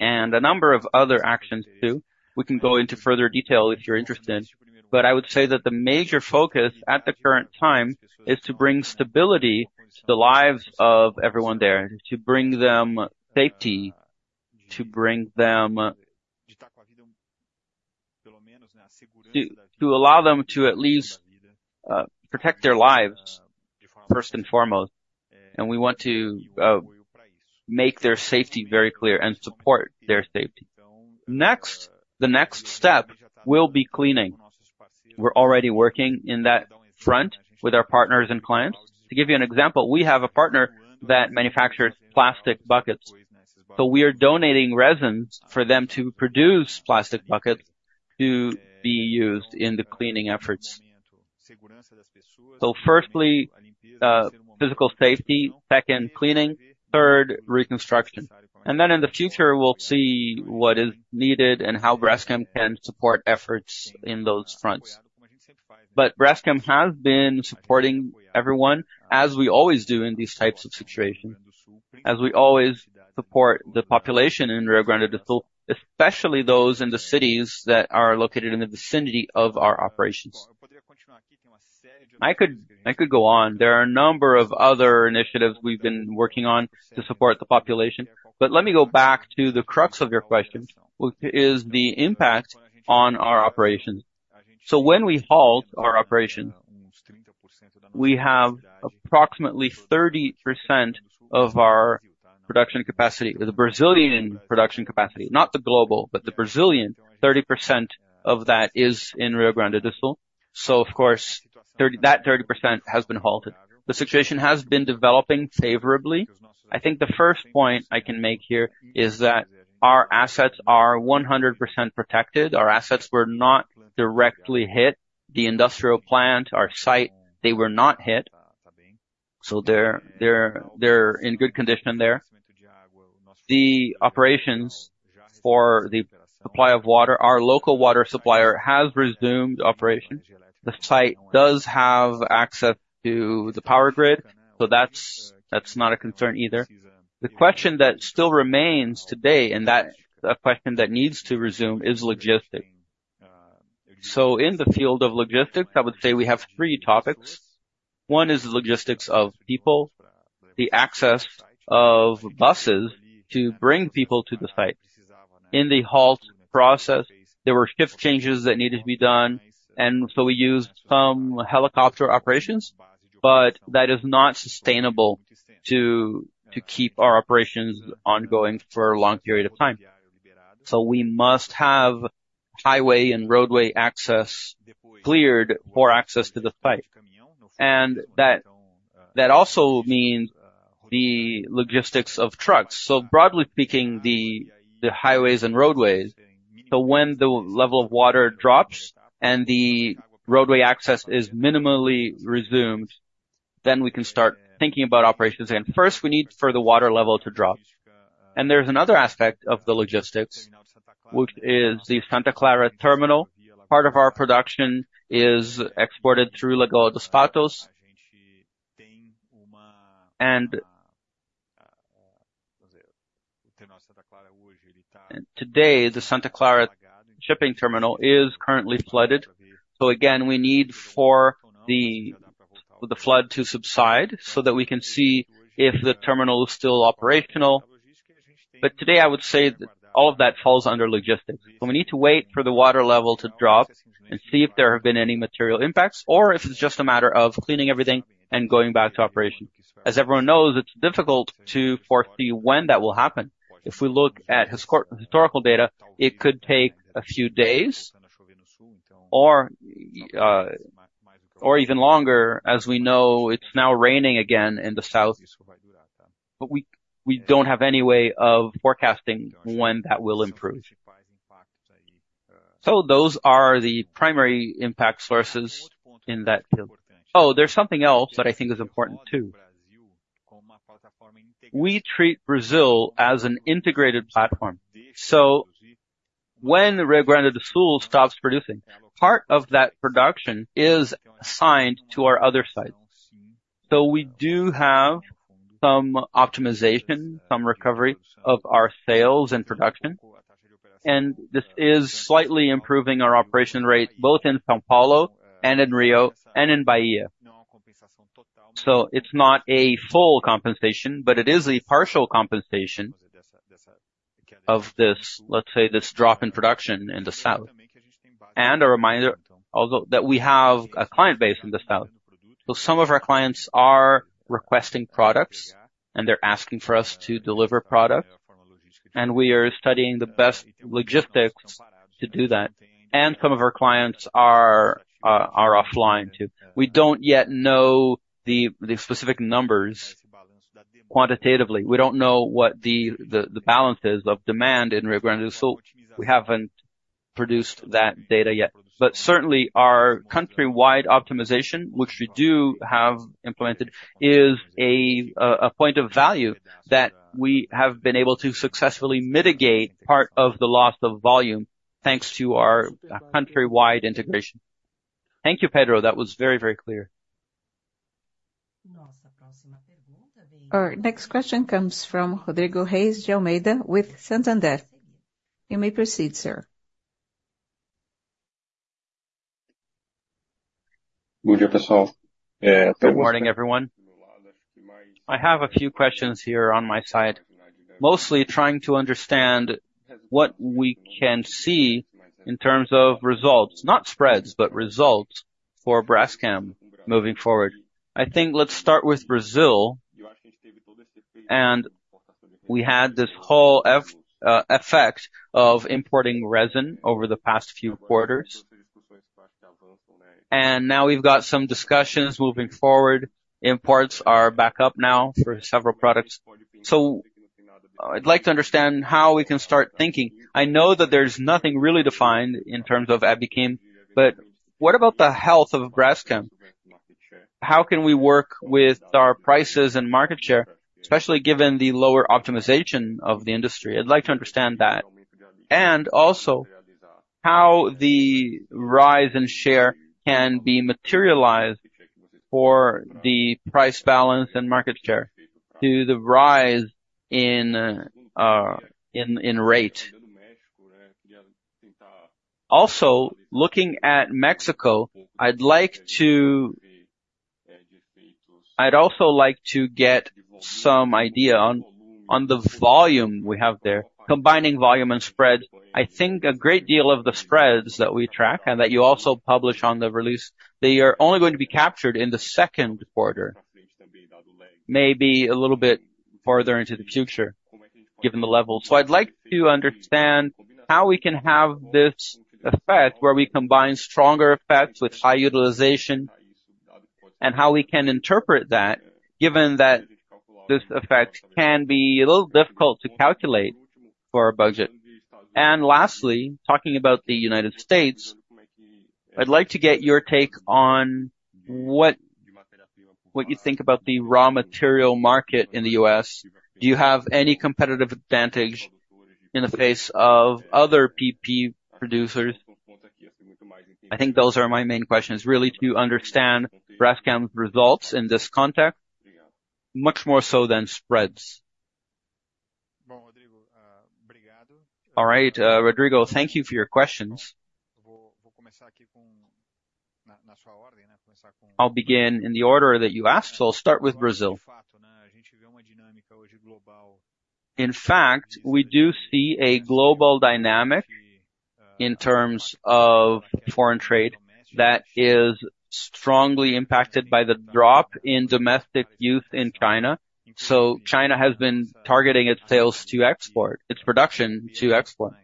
and a number of other actions, too. We can go into further detail if you're interested, but I would say that the major focus at the current time is to bring stability to the lives of everyone there, to bring them safety, to bring them to allow them to at least protect their lives, first and foremost, and we want to make their safety very clear and support their safety. Next, the next step will be cleaning. We're already working in that front with our partners and clients. To give you an example, we have a partner that manufactures plastic buckets. We are donating resins for them to produce plastic buckets to be used in the cleaning efforts. Firstly, physical safety, second, cleaning, third, reconstruction. Then in the future, we'll see what is needed and how Braskem can support efforts in those fronts. But Braskem has been supporting everyone, as we always do in these types of situations, as we always support the population in Rio Grande do Sul, especially those in the cities that are located in the vicinity of our operations. I could, I could go on. There are a number of other initiatives we've been working on to support the population, but let me go back to the crux of your question, which is the impact on our operations. So when we halt our operation, we have approximately 30% of our production capacity, the Brazilian production capacity, not the global, but the Brazilian. 30% of that is in Rio Grande do Sul. So of course, 30%, that 30% has been halted. The situation has been developing favorably. I think the first point I can make here is that our assets are 100% protected. Our assets were not directly hit. The industrial plant, our site, they were not hit, so they're in good condition there. The operations for the supply of water, our local water supplier has resumed operations. The site does have access to the power grid, so that's not a concern either. The question that still remains today, and that's a question that needs to resume, is logistics. So in the field of logistics, I would say we have three topics. One is the logistics of people, the access of buses to bring people to the site. In the halt process, there were shift changes that needed to be done, and so we used some helicopter operations, but that is not sustainable to keep our operations ongoing for a long period of time. So we must have highway and roadway access cleared for access to the site. And that also means the logistics of trucks. So broadly speaking, the highways and roadways, so when the level of water drops and the roadway access is minimally resumed, then we can start thinking about operations. And first, we need for the water level to drop. And there's another aspect of the logistics, which is the Santa Clara terminal. Part of our production is exported through Lagoa dos Patos. And... Today, the Santa Clara shipping terminal is currently flooded. So again, we need for the flood to subside so that we can see if the terminal is still operational. But today, I would say that all of that falls under logistics, and we need to wait for the water level to drop and see if there have been any material impacts or if it's just a matter of cleaning everything and going back to operation. As everyone knows, it's difficult to foresee when that will happen. If we look at historical data, it could take a few days or even longer. As we know, it's now raining again in the south, but we don't have any way of forecasting when that will improve. So those are the primary impact sources in that field. Oh, there's something else that I think is important, too. We treat Brazil as an integrated platform. So when Rio Grande do Sul stops producing, part of that production is assigned to our other sites. So we do have some optimization, some recovery of our sales and production, and this is slightly improving our operation rate, both in São Paulo and in Rio and in Bahia. So it's not a full compensation, but it is a partial compensation of this, let's say, this drop in production in the south. And a reminder, although, that we have a client base in the south, so some of our clients are requesting products, and they're asking for us to deliver product, and we are studying the best logistics to do that. And some of our clients are offline, too. We don't yet know the specific numbers quantitatively. We don't know what the balance is of demand in Rio Grande do Sul. We haven't produced that data yet. But certainly, our country-wide optimization, which we do have implemented, is a point of value that we have been able to successfully mitigate part of the loss of volume, thanks to our country-wide integration. Thank you, Pedro. That was very, very clear. Our next question comes from Rodrigo Reis de Almeida with Santander. You may proceed, sir. Good morning, everyone. I have a few questions here on my side, mostly trying to understand what we can see in terms of results, not spreads, but results for Braskem moving forward. I think let's start with Brazil, and we had this whole effect of importing resin over the past few quarters, and now we've got some discussions moving forward. Imports are back up now for several products. So I'd like to understand how we can start thinking. I know that there's nothing really defined in terms of Abiquim, but what about the health of Braskem? How can we work with our prices and market share, especially given the lower optimization of the industry? I'd like to understand that. And also, how the rise in share can be materialized for the price balance and market share to the rise in rate. Also, looking at Mexico, I'd also like to get some idea on the volume we have there, combining volume and spread. I think a great deal of the spreads that we track and that you also publish on the release, they are only going to be captured in the second quarter, maybe a little bit further into the future, given the level. So I'd like to understand how we can have this effect, where we combine stronger effects with high utilization, and how we can interpret that, given that this effect can be a little difficult to calculate for our budget. And lastly, talking about the United States, I'd like to get your take on what you think about the raw material market in the U.S. Do you have any competitive advantage in the face of other PP producers? I think those are my main questions, really, to understand Braskem's results in this context, much more so than spreads. All right, Rodrigo, thank you for your questions. I'll begin in the order that you asked, so I'll start with Brazil. In fact, we do see a global dynamic in terms of foreign trade that is strongly impacted by the drop in domestic use in China. So China has been targeting its sales to export, its production to export,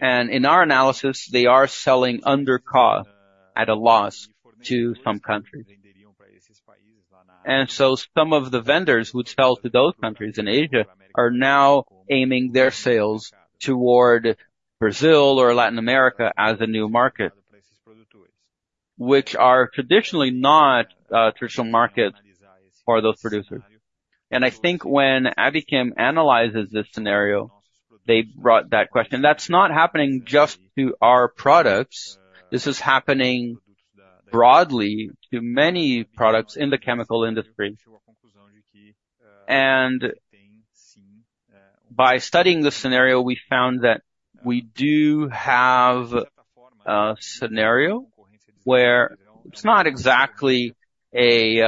and in our analysis, they are selling under cost at a loss to some countries. And so some of the vendors who sell to those countries in Asia are now aiming their sales toward Brazil or Latin America as a new market, which are traditionally not traditional markets for those producers. And I think when Abiquim analyzes this scenario, they brought that question. That's not happening just to our products, this is happening broadly to many products in the chemical industry. By studying the scenario, we found that we do have a scenario where it's not exactly a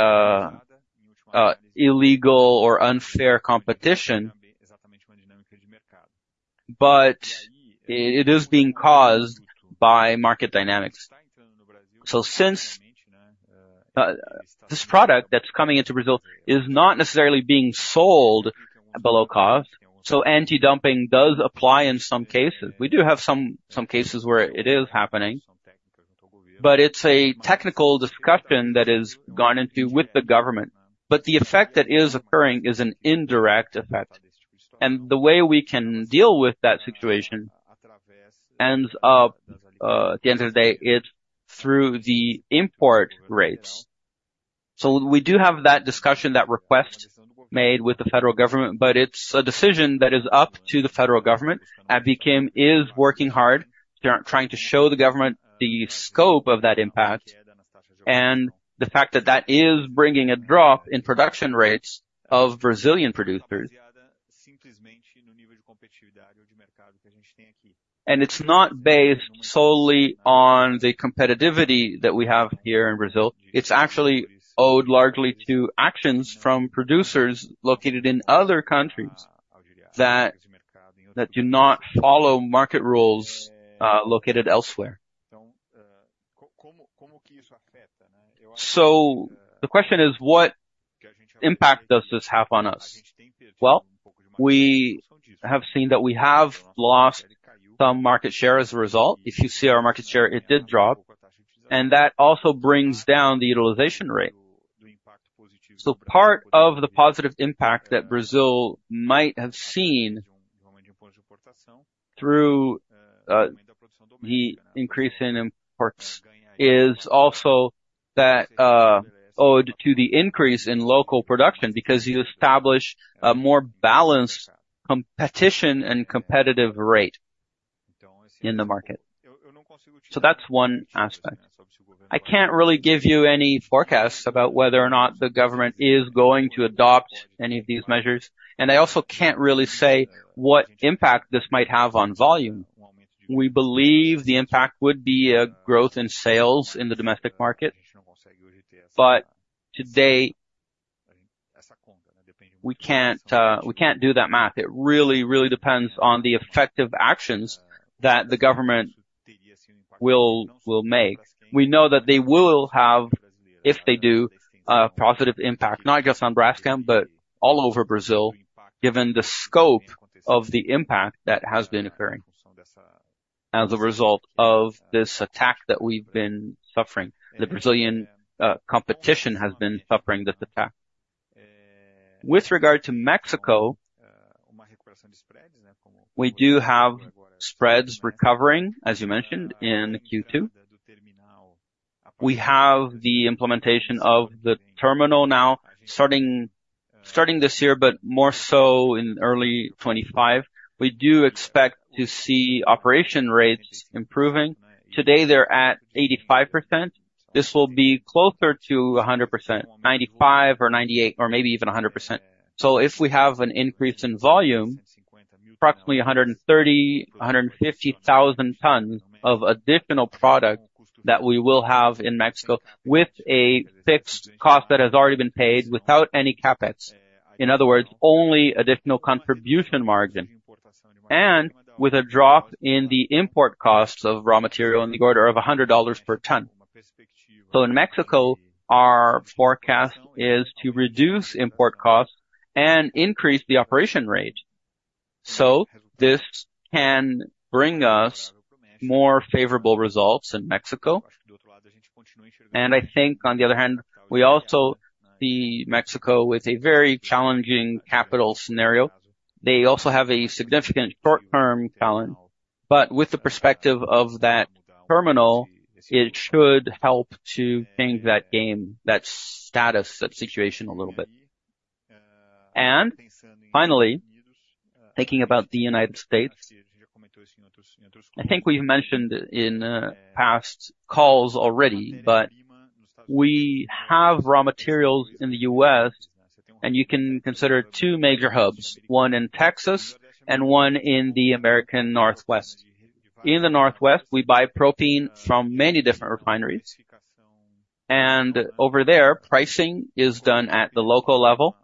illegal or unfair competition, but it is being caused by market dynamics. Since this product that's coming into Brazil is not necessarily being sold below cost, anti-dumping does apply in some cases. We do have some cases where it is happening, but it's a technical discussion that is gone into with the government. The effect that is occurring is an indirect effect, and the way we can deal with that situation ends up, at the end of the day, it's through the import rates. So we do have that discussion, that request made with the federal government, but it's a decision that is up to the federal government. Abiquim is working hard, they're trying to show the government the scope of that impact and the fact that that is bringing a drop in production rates of Brazilian producers. And it's not based solely on the competitiveness that we have here in Brazil, it's actually owed largely to actions from producers located in other countries that do not follow market rules, located elsewhere. So the question is: What impact does this have on us? Well, we have seen that we have lost some market share as a result. If you see our market share, it did drop, and that also brings down the utilization rate. So part of the positive impact that Brazil might have seen through the increase in imports is also that owed to the increase in local production, because you establish a more balanced competition and competitive rate in the market. So that's one aspect. I can't really give you any forecasts about whether or not the government is going to adopt any of these measures, and I also can't really say what impact this might have on volume. We believe the impact would be a growth in sales in the domestic market, but today, we can't do that math. It really, really depends on the effective actions that the government will make. We know that they will have, if they do, a positive impact, not just on Braskem, but all over Brazil, given the scope of the impact that has been occurring as a result of this attack that we've been suffering. The Brazilian competition has been suffering this attack. With regard to Mexico, we do have spreads recovering, as you mentioned, in Q2. We have the implementation of the terminal now, starting this year, but more so in early 2025. We do expect to see operation rates improving. Today, they're at 85%. This will be closer to 100%, 95% or 98%, or maybe even 100%. So if we have an increase in volume, approximately 130,000 tons-150,000 tons of additional product that we will have in Mexico with a fixed cost that has already been paid without any CapEx. In other words, only additional contribution margin, and with a drop in the import costs of raw material in the order of $100 per ton. So in Mexico, our forecast is to reduce import costs and increase the operation rate. So this can bring us more favorable results in Mexico. And I think on the other hand, we also see Mexico with a very challenging capital scenario. They also have a significant short-term tightness, but with the perspective of that terminal, it should help to change that game, that status, that situation a little bit. And finally, thinking about the United States, I think we've mentioned in past calls already, but we have raw materials in the U.S., and you can consider two major hubs, one in Texas and one in the American Northwest. In the Northwest, we buy propene from many different refineries, and over there, pricing is done at the local level,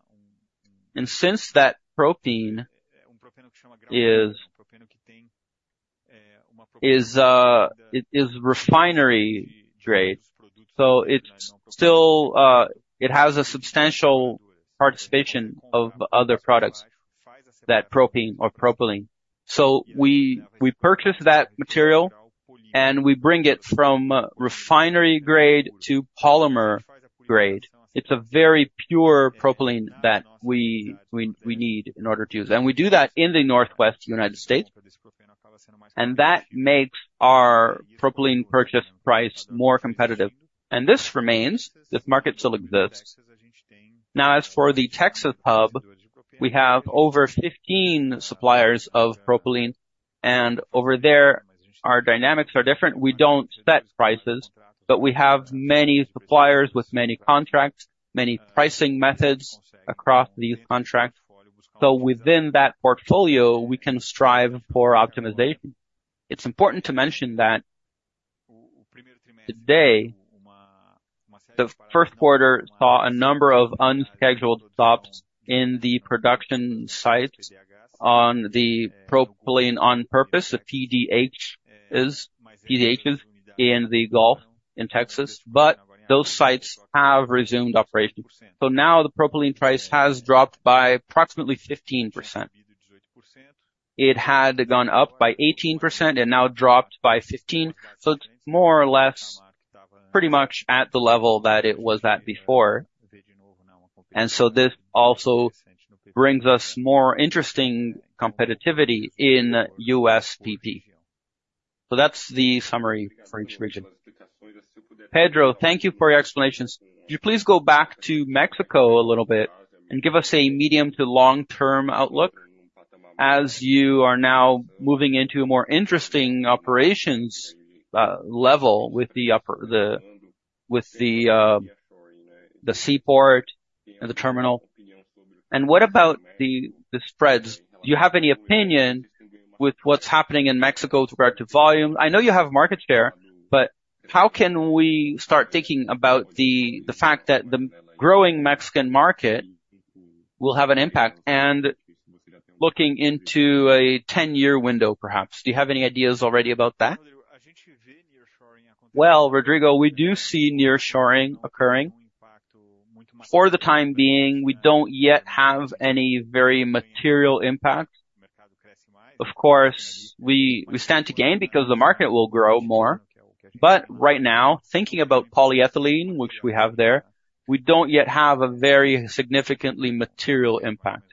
and since that propene is, it's refinery grade, so it's still, it has a substantial participation of other products, that propene or propylene. So we purchase that material, and we bring it from refinery grade to polymer grade. It's a very pure propylene that we need in order to use. And we do that in the Northwest United States, and that makes our propylene purchase price more competitive. And this remains, this market still exists. Now, as for the Texas hub, we have over 15 suppliers of propylene, and over there, our dynamics are different. We don't set prices, but we have many suppliers with many contracts, many pricing methods across these contracts. So within that portfolio, we can strive for optimization. It's important to mention that today, the first quarter saw a number of unscheduled stops in the production sites on the propylene on purpose, the PDHs, PDHs in the Gulf, in Texas, but those sites have resumed operation. So now the propylene price has dropped by approximately 15%. It had gone up by 18%, and now dropped by 15%, so it's more or less pretty much at the level that it was at before. And so this also brings us more interesting competitivity in U.S. PP. So that's the summary for each region. Pedro, thank you for your explanations. Could you please go back to Mexico a little bit and give us a medium- to long-term outlook as you are now moving into a more interesting operations level with the seaport and the terminal. And what about the spreads? Do you have any opinion with what's happening in Mexico with regard to volume? I know you have market share, but how can we start thinking about the, the fact that the growing Mexican market will have an impact? And looking into a 10-year window, perhaps, do you have any ideas already about that? Well, Rodrigo, we do see nearshoring occurring. For the time being, we don't yet have any very material impact. Of course, we, we stand to gain because the market will grow more. But right now, thinking about polyethylene, which we have there, we don't yet have a very significantly material impact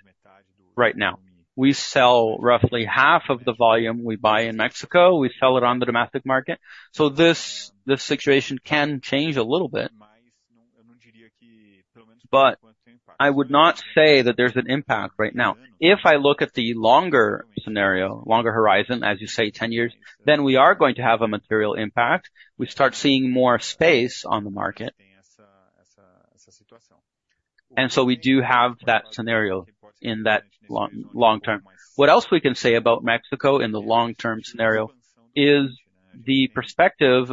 right now. We sell roughly half of the volume we buy in Mexico. We sell it on the domestic market, so this, this situation can change a little bit. But I would not say that there's an impact right now. If I look at the longer scenario, longer horizon, as you say, 10 years, then we are going to have a material impact. We start seeing more space on the market. So we do have that scenario in that long, long term. What else we can say about Mexico in the long-term scenario is the perspective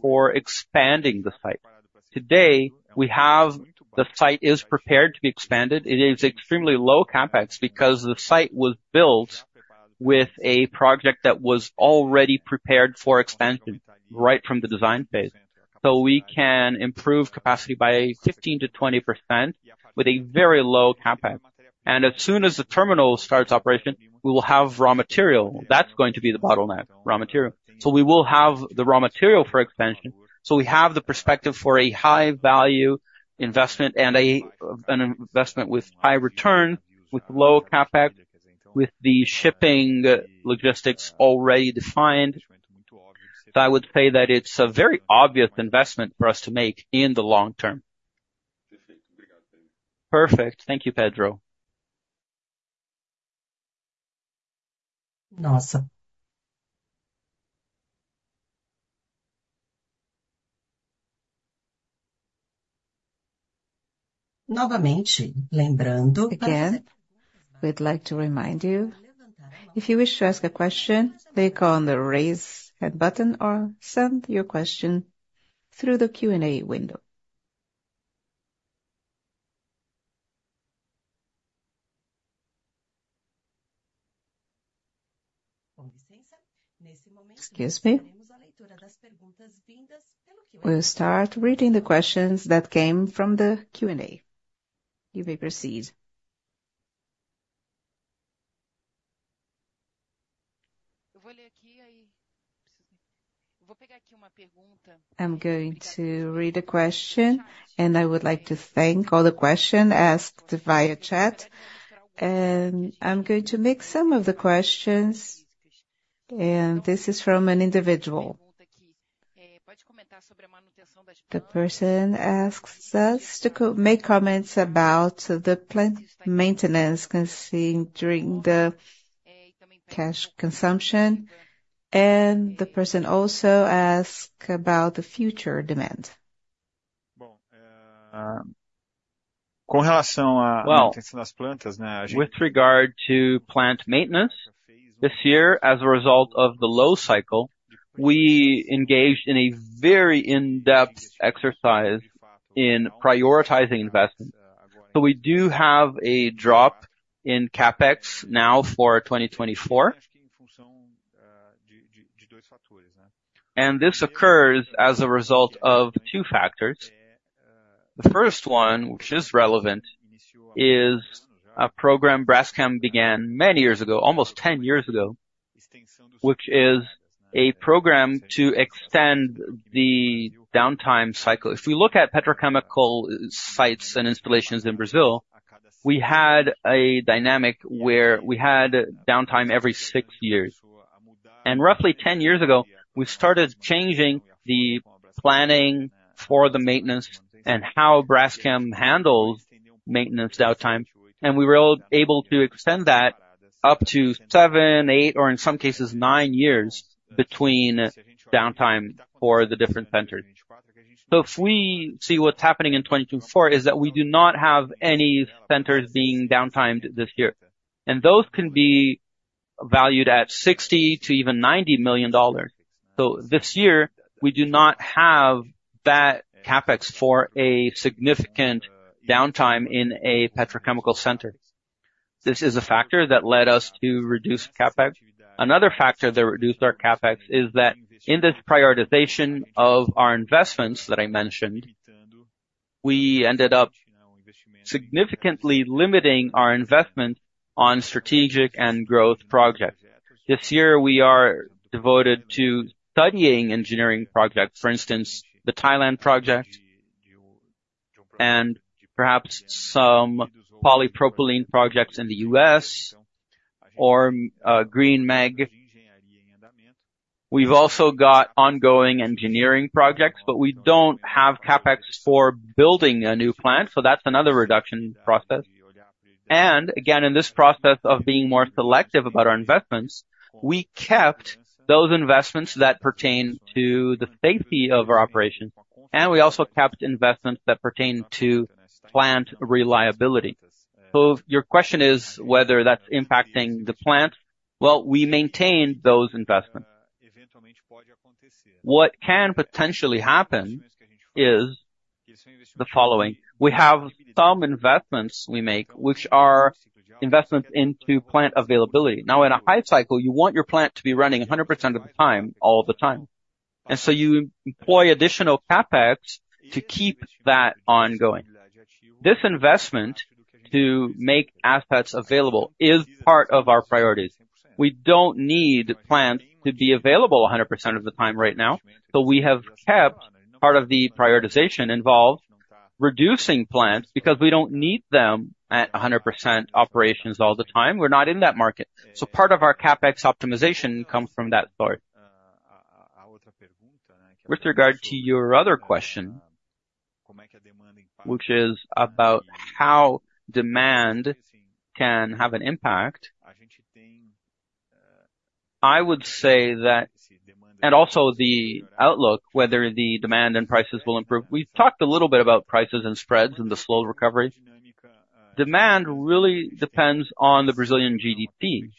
for expanding the site. Today, we have. The site is prepared to be expanded. It is extremely low CapEx because the site was built with a project that was already prepared for expansion right from the design phase. So we can improve capacity by 15%-20% with a very low CapEx. And as soon as the terminal starts operation, we will have raw material. That's going to be the bottleneck, raw material. So we will have the raw material for expansion. So we have the perspective for a high-value investment and an investment with high return, with low CapEx. With the shipping logistics already defined, I would say that it's a very obvious investment for us to make in the long term. Perfect. Thank you, Pedro. Again, we'd like to remind you, if you wish to ask a question, click on the raise hand button or send your question through the Q&A window. Excuse me. We'll start reading the questions that came from the Q&A. You may proceed. I'm going to read a question, and I would like to thank all the question asked via chat, and I'm going to make some of the questions, and this is from an individual. The person asks us to make comments about the plant maintenance concerning during the cash consumption, and the person also ask about the future demand. Well, with regard to plant maintenance, this year, as a result of the low cycle, we engaged in a very in-depth exercise in prioritizing investment. So we do have a drop in CapEx now for 2024. And this occurs as a result of two factors. The first one, which is relevant, is a program Braskem began many years ago, almost 10 years ago, which is a program to extend the downtime cycle. If we look at petrochemical sites and installations in Brazil, we had a dynamic where we had downtime every six years. And roughly 10 years ago, we started changing the planning for the maintenance and how Braskem handles maintenance downtime, and we were all able to extend that up to seven, right, or in some cases, nine years between downtime for the different centers. So if we see what's happening in 2024, is that we do not have any centers being downtimed this year, and those can be valued at $60 million-$90 million. So this year, we do not have that CapEx for a significant downtime in a petrochemical center. This is a factor that led us to reduce CapEx. Another factor that reduced our CapEx is that in this prioritization of our investments that I mentioned, we ended up significantly limiting our investment on strategic and growth projects. This year, we are devoted to studying engineering projects, for instance, the Thailand project, and perhaps some polypropylene projects in the U.S. or Green MEG. We've also got ongoing engineering projects, but we don't have CapEx for building a new plant, so that's another reduction process. Again, in this process of being more selective about our investments, we kept those investments that pertain to the safety of our operation, and we also kept investments that pertain to plant reliability. So your question is whether that's impacting the plant? Well, we maintain those investments. What can potentially happen is the following: we have some investments we make, which are investments into plant availability. Now, in a high cycle, you want your plant to be running 100% of the time, all the time, and so you employ additional CapEx to keep that ongoing. This investment to make assets available is part of our priorities. We don't need plants to be available 100% of the time right now, so we have kept part of the prioritization involved, reducing plants, because we don't need them at 100% operations all the time. We're not in that market. So part of our CapEx optimization comes from that thought. With regard to your other question, which is about how demand can have an impact, I would say that, and also the outlook, whether the demand and prices will improve. We've talked a little bit about prices and spreads and the slow recovery. Demand really depends on the Brazilian GDP.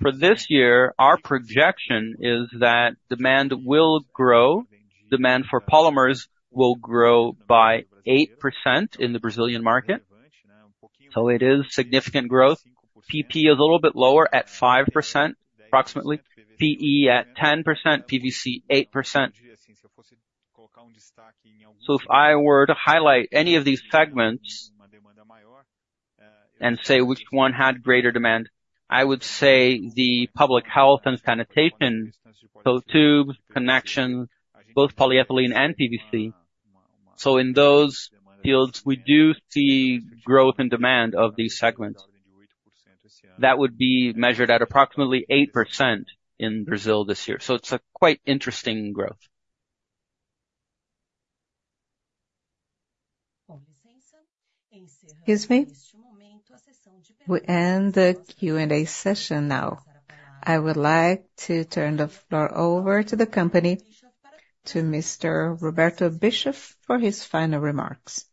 For this year, our projection is that demand will grow, demand for polymers will grow by 8% in the Brazilian market, so it is significant growth. PP is a little bit lower at 5%, approximately, PE at 10%, PVC, 8%. So if I were to highlight any of these segments and say which one had greater demand, I would say the public health and sanitation, so tubes, connections, both polyethylene and PVC. So in those fields, we do see growth and demand of these segments. That would be measured at approximately 8% in Brazil this year. So it's a quite interesting growth. Excuse me. We end the Q&A session now. I would like to turn the floor over to the company, to Mr. Roberto Bischoff, for his final remarks.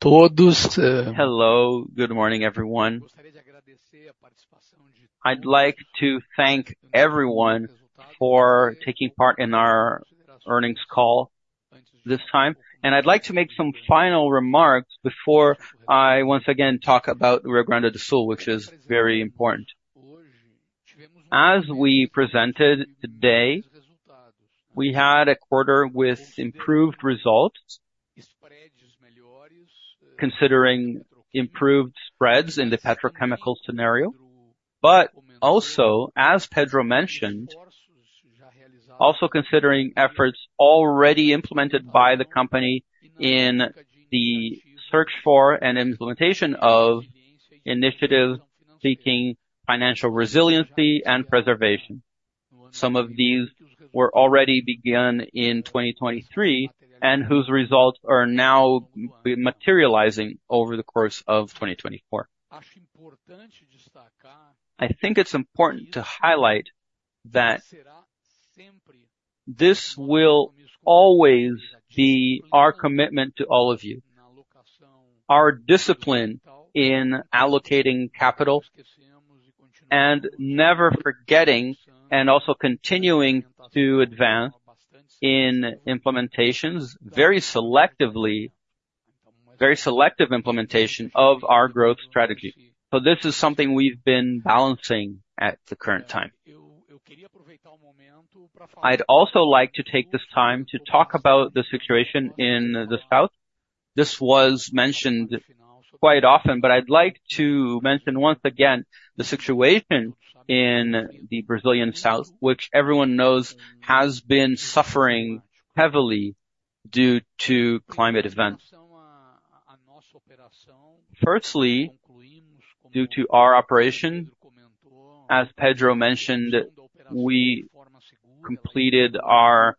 Hello, good morning, everyone. I'd like to thank everyone for taking part in our earnings call this time, and I'd like to make some final remarks before I once again talk about Rio Grande do Sul, which is very important. As we presented today, we had a quarter with improved results, considering improved spreads in the petrochemical scenario. But also, as Pedro mentioned, also considering efforts already implemented by the company in the search for and implementation of initiatives seeking financial resiliency and preservation. Some of these were already begun in 2023, and whose results are now being materializing over the course of 2024. I think it's important to highlight that this will always be our commitment to all of you. Our discipline in allocating capital and never forgetting, and also continuing to advance in implementations very selectively, very selective implementation of our growth strategy. So this is something we've been balancing at the current time. I'd also like to take this time to talk about the situation in the south. This was mentioned quite often, but I'd like to mention once again, the situation in the Brazilian south, which everyone knows has been suffering heavily due to climate events. Firstly, due to our operation, as Pedro mentioned, we completed our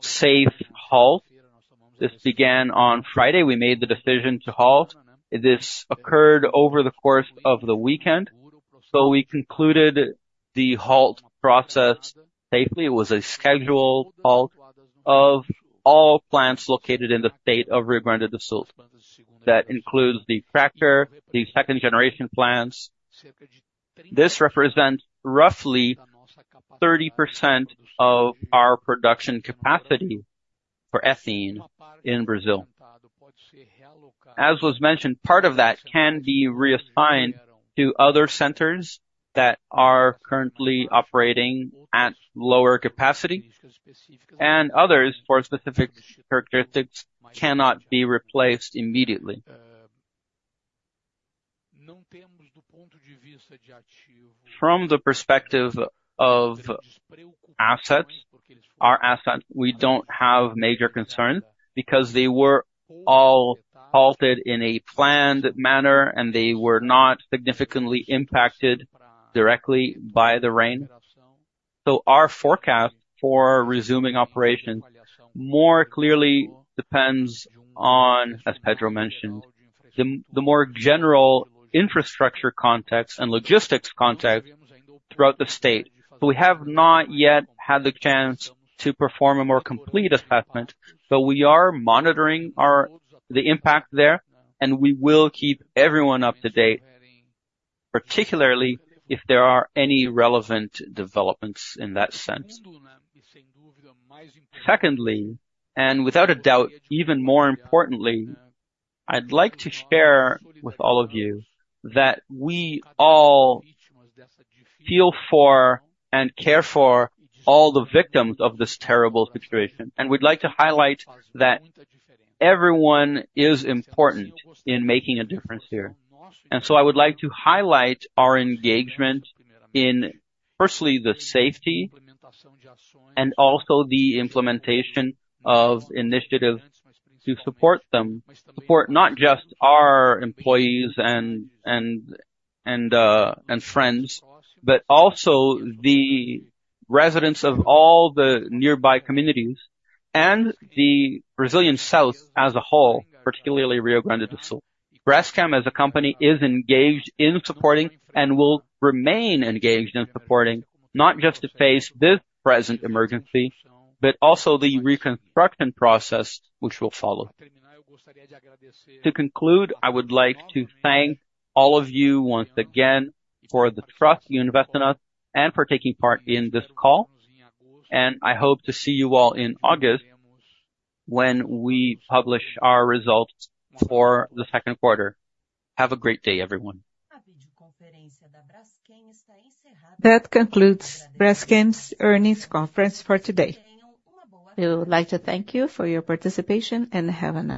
safe halt. This began on Friday. We made the decision to halt. This occurred over the course of the weekend, so we concluded the halt process safely. It was a scheduled halt of all plants located in the state of Rio Grande do Sul. That includes the cracker, the second-generation plants. This represents roughly 30% of our production capacity for ethene in Brazil. As was mentioned, part of that can be reassigned to other centers that are currently operating at lower capacity, and others, for specific characteristics, cannot be replaced immediately. From the perspective of assets, our assets, we don't have major concerns because they were all halted in a planned manner, and they were not significantly impacted directly by the rain. So our forecast for resuming operation more clearly depends on, as Pedro mentioned, the more general infrastructure context and logistics context throughout the state. We have not yet had the chance to perform a more complete assessment, but we are monitoring the impact there, and we will keep everyone up to date, particularly if there are any relevant developments in that sense. Secondly, and without a doubt, even more importantly, I'd like to share with all of you that we all feel for and care for all the victims of this terrible situation. We'd like to highlight that everyone is important in making a difference here. So I would like to highlight our engagement in, firstly, the safety and also the implementation of initiatives to support them. Support not just our employees and friends, but also the residents of all the nearby communities and the Brazilian south as a whole, particularly Rio Grande do Sul. Braskem, as a company, is engaged in supporting and will remain engaged in supporting not just to face this present emergency, but also the reconstruction process which will follow. To conclude, I would like to thank all of you once again for the trust you invest in us and for taking part in this call, and I hope to see you all in August when we publish our results for the second quarter. Have a great day, everyone. That concludes Braskem's earnings conference for today. We would like to thank you for your participation, and have a nice day.